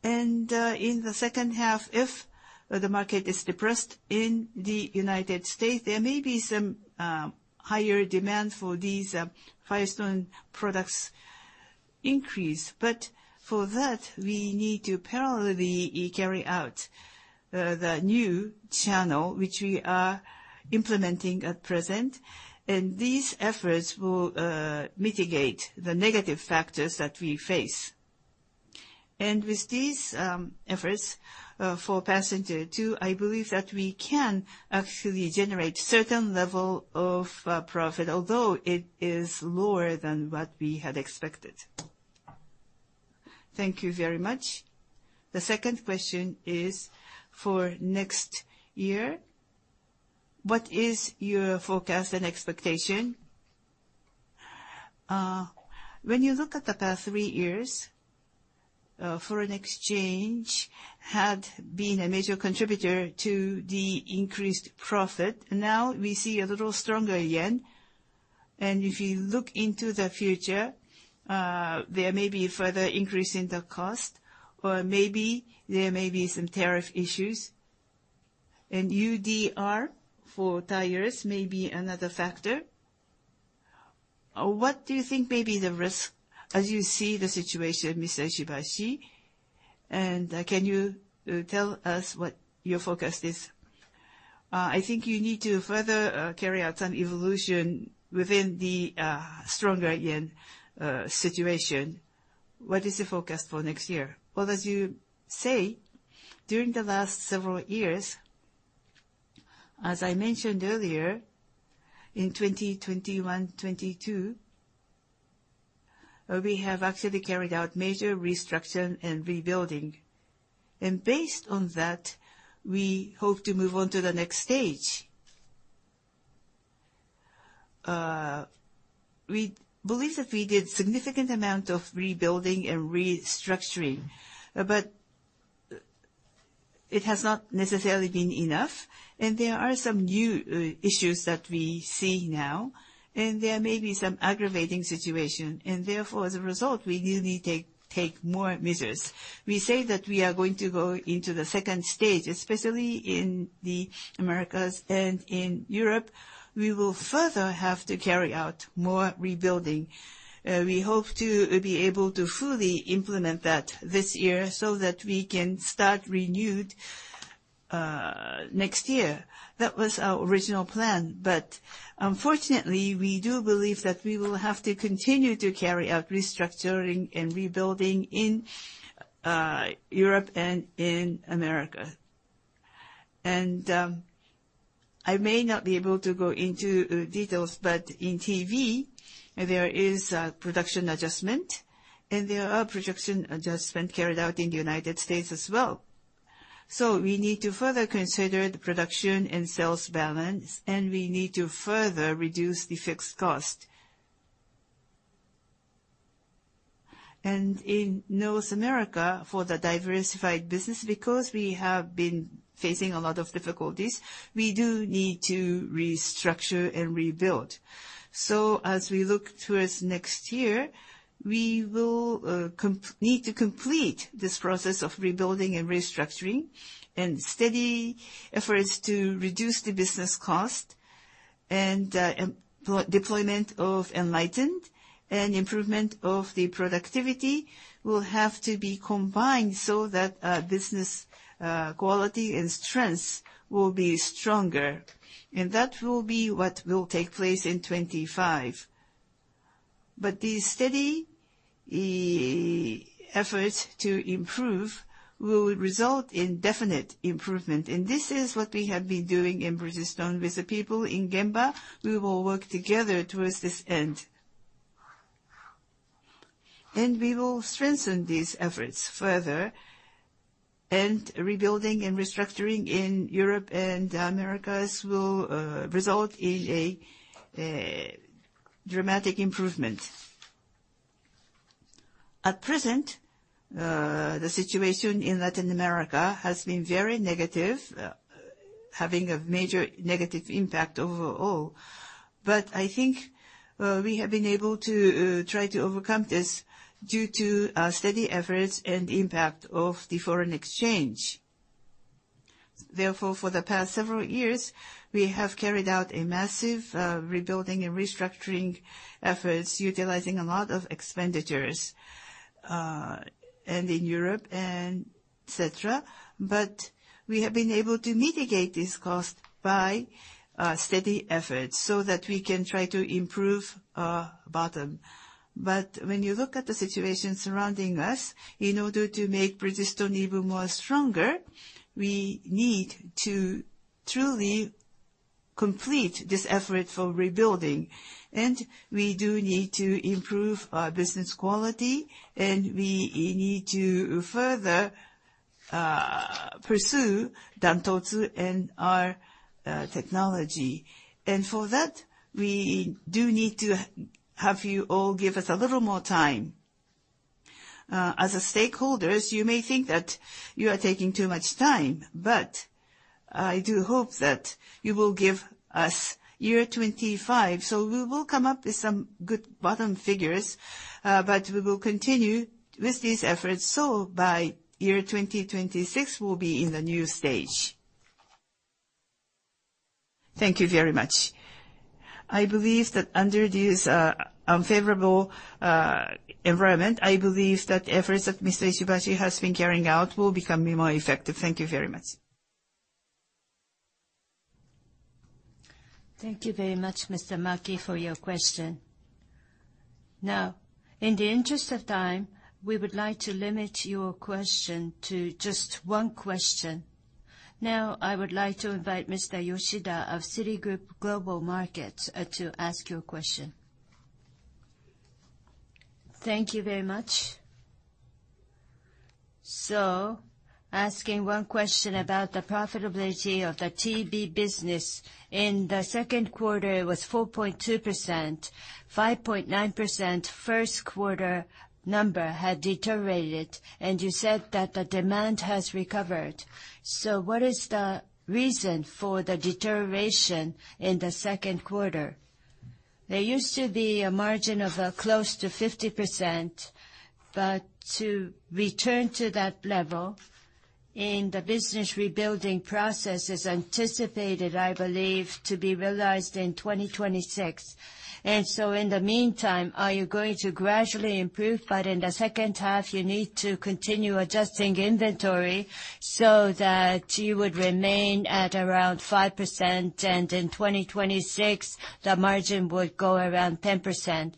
In the second half, if the market is depressed in the United States, there may be some higher demand for these Firestone products increase. But for that, we need to parallelly carry out the new channel, which we are implementing at present. These efforts will mitigate the negative factors that we face. With these efforts for passenger too, I believe that we can actually generate certain level of profit, although it is lower than what we had expected. Thank you very much. The second question is for next year. What is your forecast and expectation? When you look at the past three years, foreign exchange had been a major contributor to the increased profit. Now we see a little stronger yen. If you look into the future, there may be further increase in the cost, or maybe there may be some tariff issues. EUDR for tires may be another factor. What do you think may be the risk as you see the situation, Mr. Ishibashi? Can you tell us what your forecast is? I think you need to further carry out an evolution within the stronger yen situation. What is the forecast for next year? As you say, during the last several years, as I mentioned earlier, in 2021, 2022, we have actually carried out major restructuring and rebuilding. Based on that, we hope to move on to the next stage. We believe that we did significant amount of rebuilding and restructuring, it has not necessarily been enough. There are some new issues that we see now, and there may be some aggravating situation. Therefore, as a result, we do need to take more measures. We say that we are going to go into the second stage, especially in the Americas and in Europe. We will further have to carry out more rebuilding. We hope to be able to fully implement that this year so that we can start renewed next year. That was our original plan. Unfortunately, we do believe that we will have to continue to carry out restructuring and rebuilding in Europe and in America. I may not be able to go into details, but in TB, there is a production adjustment, and there are production adjustment carried out in the U.S. as well. We need to further consider the production and sales balance, and we need to further reduce the fixed cost. In North America, for the diversified business, because we have been facing a lot of difficulties, we do need to restructure and rebuild. As we look towards next year, we will need to complete this process of rebuilding and restructuring. Steady efforts to reduce the business cost, deployment of ENLITEN, and improvement of the productivity will have to be combined so that business quality and strength will be stronger. That will be what will take place in 2025. The steady efforts to improve will result in definite improvement. This is what we have been doing in Bridgestone with the people in Gemba. We will work together towards this end. We will strengthen these efforts further, and rebuilding and restructuring in Europe and Americas will result in a dramatic improvement. At present, the situation in Latin America has been very negative, having a major negative impact overall. I think we have been able to try to overcome this due to steady efforts and impact of the foreign exchange. For the past several years, we have carried out a massive rebuilding and restructuring efforts, utilizing a lot of expenditures, and in Europe. We have been able to mitigate this cost by steady efforts so that we can try to improve our bottom. When you look at the situation surrounding us, in order to make Bridgestone even more stronger, we need to truly complete this effort for rebuilding, and we do need to improve our business quality, and we need to further pursue Dan-Totsu and our technology. For that, we do need to have you all give us a little more time. As stakeholders, you may think that you are taking too much time, but I do hope that you will give us year 2025. We will come up with some good bottom figures, but we will continue with these efforts. By year 2026, we will be in the new stage. Thank you very much. I believe that under this unfavorable environment, I believe that efforts that Mr. Ishibashi has been carrying out will become more effective. Thank you very much. Thank you very much, Mr. Maki, for your question. In the interest of time, we would like to limit your question to just one question. I would like to invite Mr. Yoshida of Citigroup Global Markets to ask your question. Thank you very much. Asking one question about the profitability of the TB business. In the second quarter, it was 4.2%. 5.9% first quarter number had deteriorated, and you said that the demand has recovered. What is the reason for the deterioration in the second quarter? There used to be a margin of close to 50%, but to return to that level in the business rebuilding process is anticipated, I believe, to be realized in 2026. In the meantime, are you going to gradually improve, but in the second half, you need to continue adjusting inventory so that you would remain at around 5% and in 2026, the margin would go around 10%?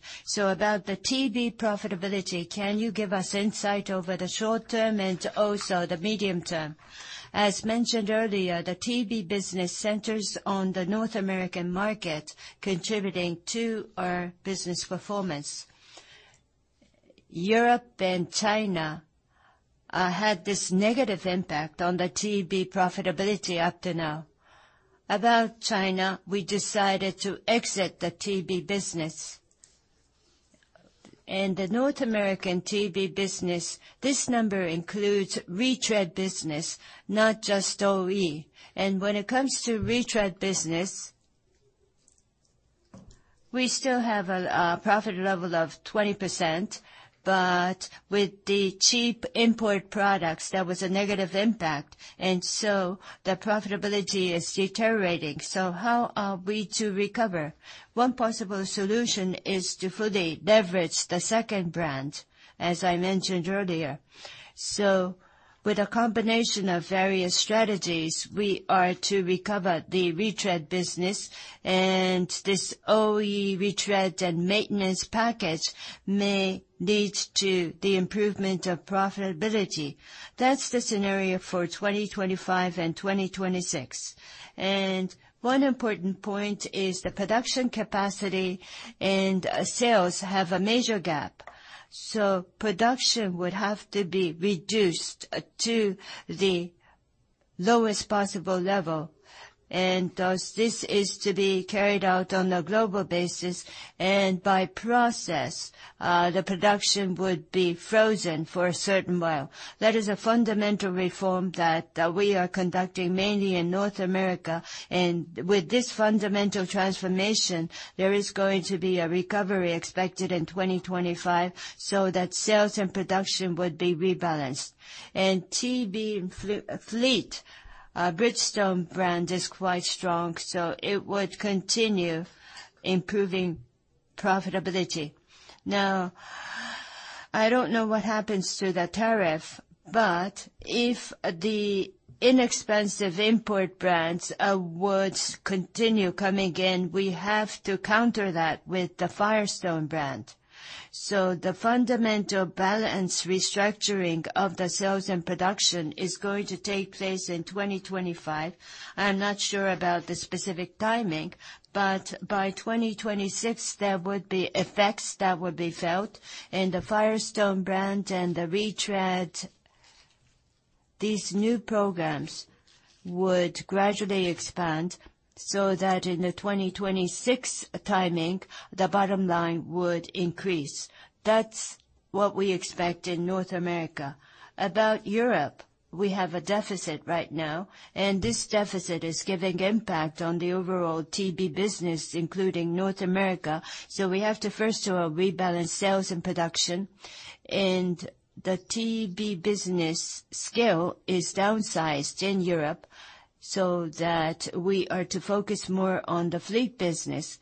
About the TB profitability, can you give us insight over the short term and also the medium term? As mentioned earlier, the TB business centers on the North American market, contributing to our business performance. Europe and China had this negative impact on the TB profitability up to now. About China, we decided to exit the TB business. In the North American TB business, this number includes retread business, not just OE. When it comes to retread business, we still have a profit level of 20%, but with the cheap import products, there was a negative impact, and the profitability is deteriorating. How are we to recover? One possible solution is to fully leverage the second brand, as I mentioned earlier. With a combination of various strategies, we are to recover the retread business, and this OE retread and maintenance package may lead to the improvement of profitability. That is the scenario for 2025 and 2026. One important point is the production capacity and sales have a major gap. Production would have to be reduced to the lowest possible level. Thus, this is to be carried out on a global basis, and by process, the production would be frozen for a certain while. That is a fundamental reform that we are conducting mainly in North America. With this fundamental transformation, there is going to be a recovery expected in 2025 so that sales and production would be rebalanced. In TB fleet, Bridgestone brand is quite strong, it would continue improving profitability. I don't know what happens to the tariff, but if the inexpensive import brands would continue coming in, we have to counter that with the Firestone brand. The fundamental balance restructuring of the sales and production is going to take place in 2025. I'm not sure about the specific timing, but by 2026, there would be effects that would be felt in the Firestone brand and the retread. These new programs would gradually expand so that in the 2026 timing, the bottom line would increase. That's what we expect in North America. About Europe, we have a deficit right now, and this deficit is giving impact on the overall TB business, including North America. We have to first rebalance sales and production. The TB business scale is downsized in Europe so that we are to focus more on the fleet business.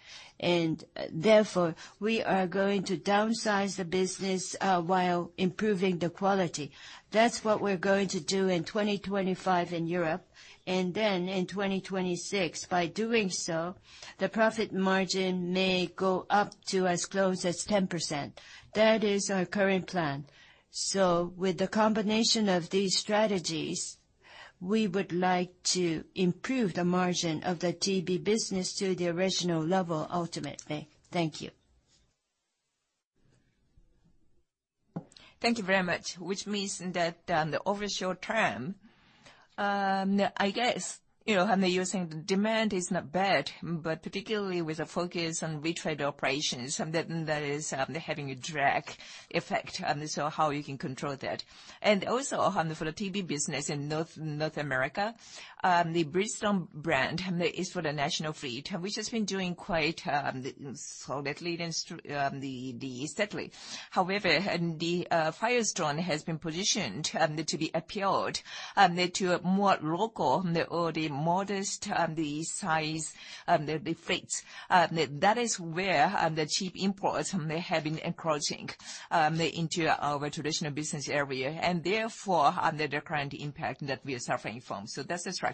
Therefore, we are going to downsize the business while improving the quality. That's what we're going to do in 2025 in Europe, and then in 2026. By doing so, the profit margin may go up to as close as 10%. That is our current plan. With the combination of these strategies, we would like to improve the margin of the TB business to the original level ultimately. Thank you. Thank you very much. Which means that on the over short term, I guess, you were saying the demand is not bad, but particularly with a focus on retread operations, that is having a drag effect, how you can control that. Also, for the TB business in North America, the Bridgestone brand is for the national fleet, which has been doing quite solidly since the start. However, the Firestone has been positioned to be appealed to more local or the modest size fleets. That is where the cheap imports have been encroaching into our traditional business area, the current impact that we are suffering from. That's the structure.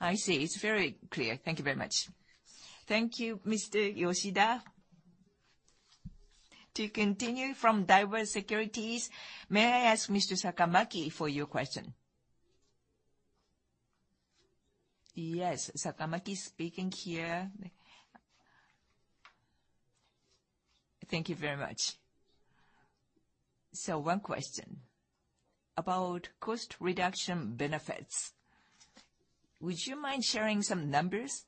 I see. It's very clear. Thank you very much. Thank you, Mr. Yoshida. To continue from Daiwa Securities, may I ask Mr. Sakamaki for your question? Yes, Sakamaki speaking here. Thank you very much. One question about cost reduction benefits. Would you mind sharing some numbers?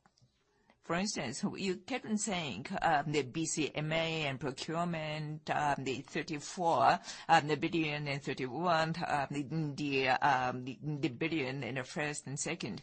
For instance, you kept on saying the BCMA and procurement, the 34 billion and 31 billion in the first and second.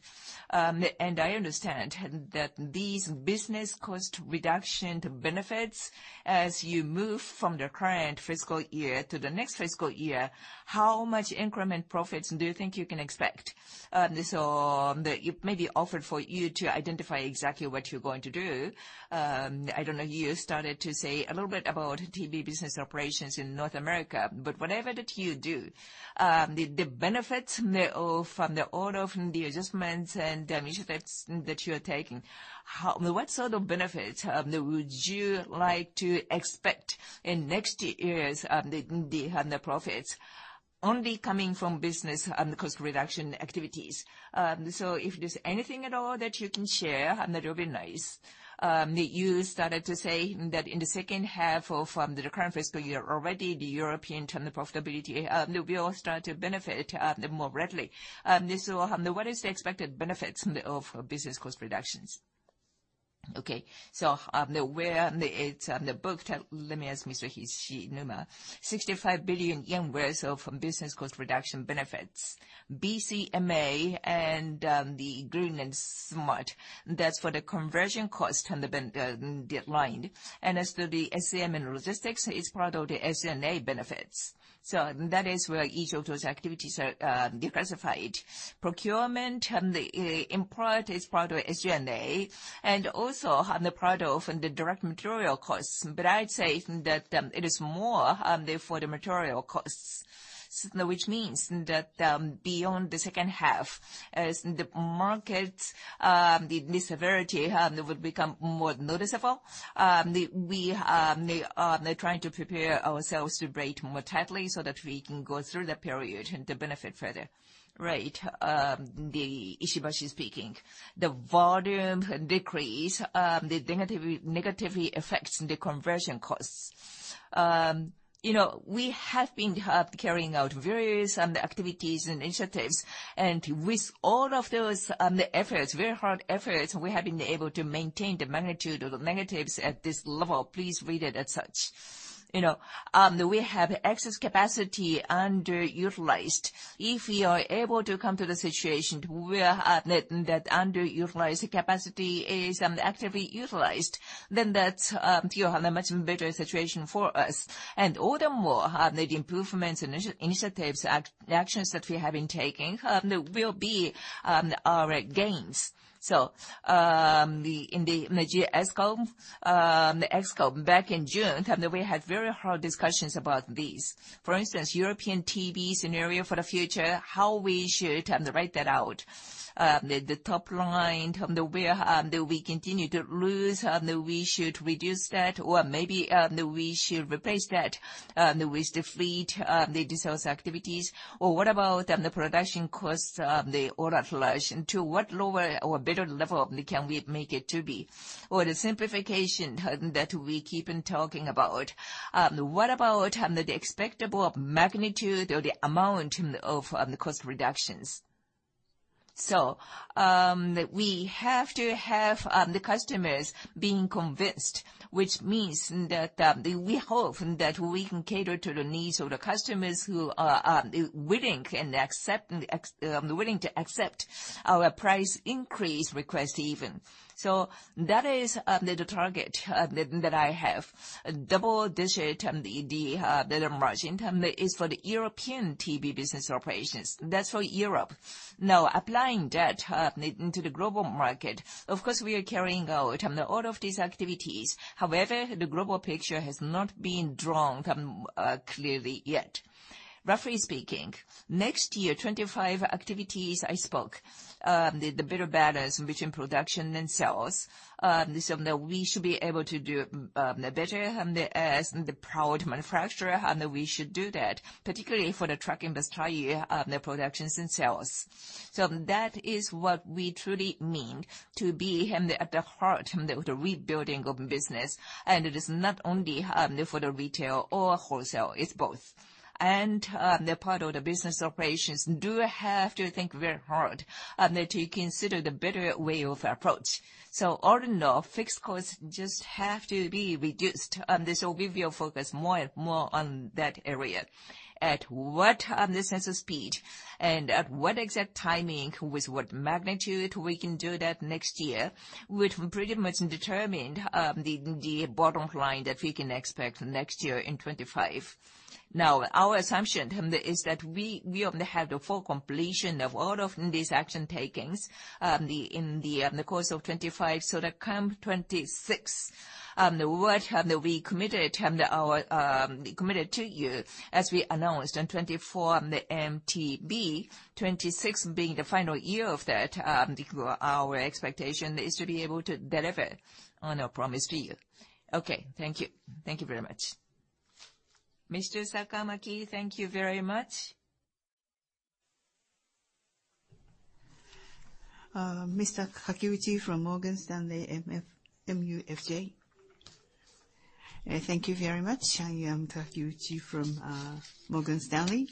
I understand that these business cost reduction benefits, as you move from the current fiscal year to the next fiscal year, how much increment profits do you think you can expect? It may be awkward for you to identify exactly what you're going to do. I don't know, you started to say a little bit about TB business operations in North America. Whatever that you do, the benefits from all of the adjustments and initiatives that you're taking, what sort of benefits would you like to expect in next year's profits only coming from business cost reduction activities? If there's anything at all that you can share, that'll be nice. You started to say that in the second half of the current fiscal year already, the European TB profitability will start to benefit more readily. What is the expected benefits of business cost reductions? Where it's on the book, let me ask Mr. Hishinuma. 65 billion yen worth of business cost reduction benefits. BCMA and the green and smart, that's for the conversion cost on the line. As to the SCM and logistics, it's part of the SG&A benefits. That is where each of those activities are declassified. Procurement, in part, is part of SG&A, and also part of the direct material costs. I'd say that it is more for the material costs. Which means that, beyond the second half, as the market, the severity, it would become more noticeable. They're trying to prepare ourselves to rate more tightly so that we can go through the period and to benefit further. Right. Mr. Ishibashi speaking. The volume decrease negatively affects the conversion costs. We have been carrying out various activities and initiatives, and with all of those efforts, very hard efforts, we have been able to maintain the magnitude of the negatives at this level. Please read it as such. We have excess capacity underutilized. If we are able to come to the situation where that underutilized capacity is actively utilized, then that's a much better situation for us. Furthermore, the improvements initiatives, the actions that we have been taking, will be our gains. In the XCO, back in June, we had very hard discussions about these. For instance, European TB scenario for the future, how we should write that out. The top line, we continue to lose, we should reduce that or maybe we should replace that with the FleetCare, the sales activities. What about the production cost, the overallage, and to what lower or better level can we make it to be? The simplification that we keep on talking about. What about the expectable magnitude or the amount of the cost reductions? We have to have the customers being convinced, which means that we hope that we can cater to the needs of the customers who are willing and willing to accept our price increase request even. That is the target that I have. Double-digit EBITDA margin is for the European TB business operations. That's for Europe. Applying that into the global market, of course, we are carrying out all of these activities. However, the global picture has not been drawn clearly yet. Roughly speaking, next year, 2025 activities I spoke, the better balance between production and sales. We should be able to do better as the proud manufacturer, we should do that, particularly for the truck industry, the productions and sales. That is what we truly mean to be at the heart of the rebuilding open business. It is not only for the retail or wholesale, it's both. The part of the business operations do have to think very hard, and to consider the better way of approach. All in all, fixed costs just have to be reduced. We will focus more on that area. At what sense of speed and at what exact timing, with what magnitude we can do that next year, which we pretty much determined the bottom line that we can expect next year in 2025. Our assumption is that we only have the full completion of all of these action takings in the course of 2025. That come 2026, what we committed to you as we announced in 2024, the MTP, 2026 being the final year of that, our expectation is to be able to deliver on our promise to you. Okay. Thank you. Thank you very much. Mr. Sakamaki, thank you very much. Mr. Kakiuchi from Morgan Stanley MUFG. Thank you very much. I am Kakiuchi from Morgan Stanley.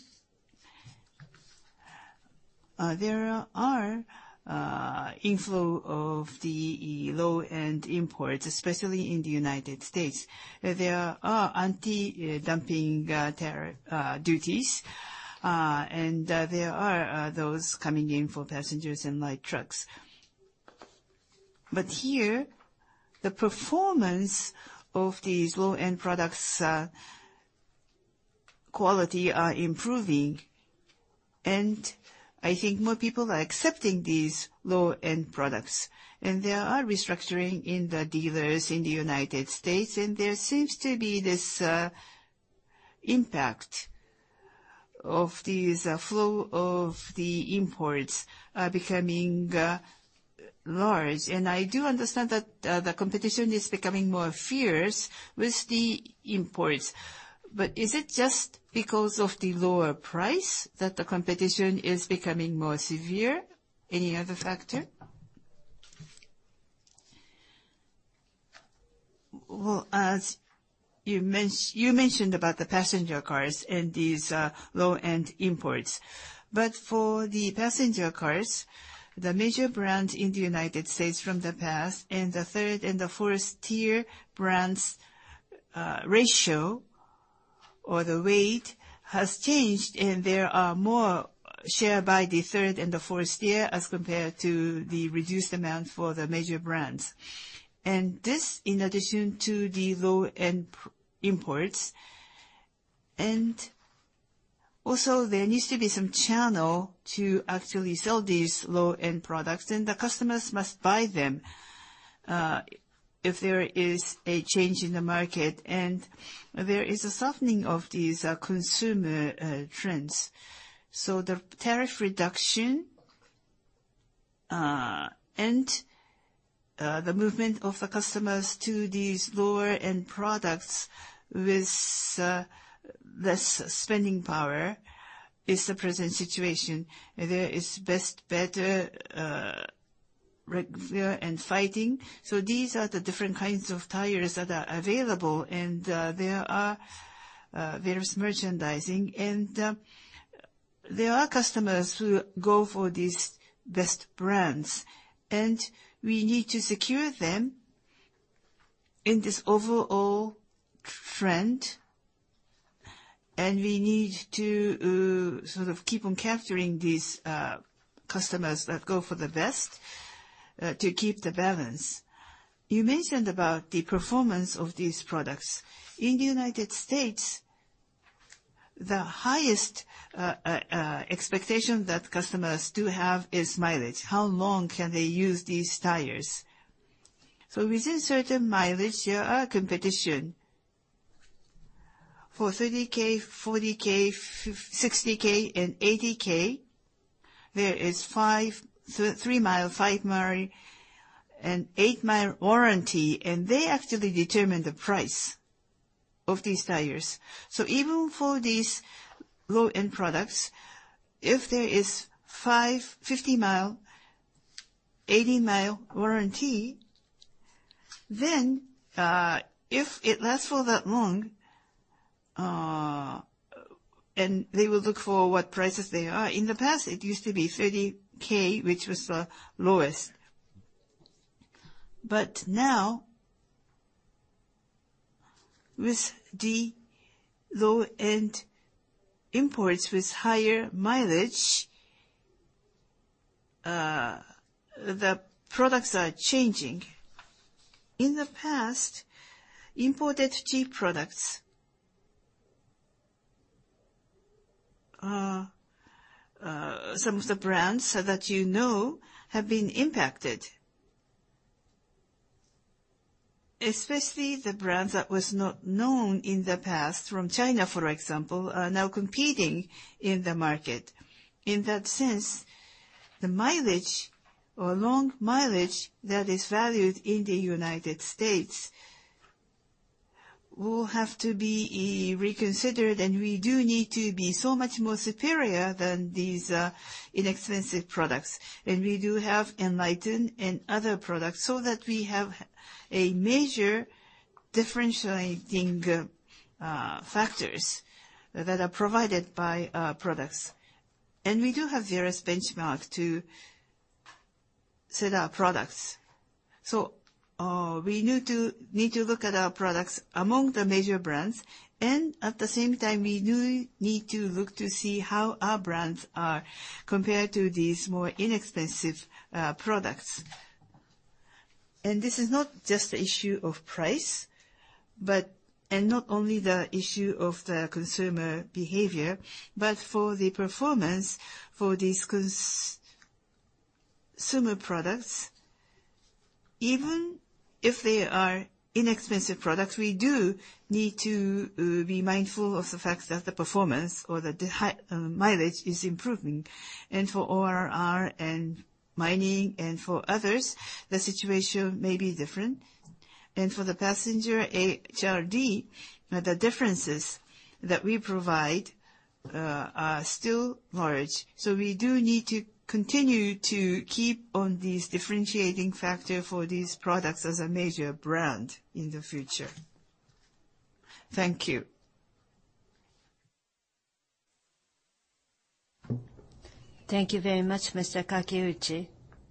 There are inflow of the low-end imports, especially in the United States. There are anti-dumping duties, and there are those coming in for passengers and light trucks. Here, the performance of these low-end products' quality are improving. I think more people are accepting these low-end products. There are restructuring in the dealers in the United States, and there seems to be this impact of these flow of the imports becoming large. I do understand that the competition is becoming more fierce with the imports. Is it just because of the lower price that the competition is becoming more severe? Any other factor? Well, as you mentioned about the passenger cars and these low-end imports, but for the passenger cars, the major brands in the United States from the past, and the tier 3 and the tier 4 brands' ratio or the weight has changed, and there are more share by the tier 3 and the tier 4 as compared to the reduced amount for the major brands. This, in addition to the low-end imports. Also, there needs to be some channel to actually sell these low-end products, and the customers must buy them. If there is a change in the market and there is a softening of these consumer trends. The tariff reduction and the movement of the customers to these lower end products with less spending power is the present situation. There is best, better, and fighting. These are the different kinds of tires that are available, and there is merchandising. There are customers who go for these best brands, and we need to secure them in this overall trend. We need to keep on capturing these customers that go for the best to keep the balance. You mentioned about the performance of these products. In the United States, the highest expectation that customers do have is mileage. How long can they use these tires? Within certain mileage, there are competition. For 30,000, 40,000, 60,000 and 80,000, there is three mile, five mile, and eight mile warranty. They actually determine the price of these tires. Even for these low-end products, if there is 50 mile, 80 mile warranty, then if it lasts for that long, and they will look for what prices they are. In the past, it used to be 30,000, which was the lowest. Now, with the low-end imports with higher mileage, the products are changing. In the past, imported cheap products, some of the brands that you know have been impacted. Especially the brands that was not known in the past from China, for example, are now competing in the market. In that sense, the mileage or long mileage that is valued in the U.S. will have to be reconsidered, we do need to be so much more superior than these inexpensive products. We do have ENLITEN and other products so that we have a major differentiating factors that are provided by our products. We do have various benchmarks to set our products. We need to look at our products among the major brands, and at the same time, we do need to look to see how our brands are compared to these more inexpensive products. This is not just the issue of price, not only the issue of the consumer behavior, but for the performance for these consumer products. Even if they are inexpensive products, we do need to be mindful of the fact that the performance or the mileage is improving. For OTR and mining and for others, the situation may be different. For the passenger HRD, the differences that we provide are still large. We do need to continue to keep on these differentiating factor for these products as a major brand in the future. Thank you. Thank you very much, Mr. Kakiuchi.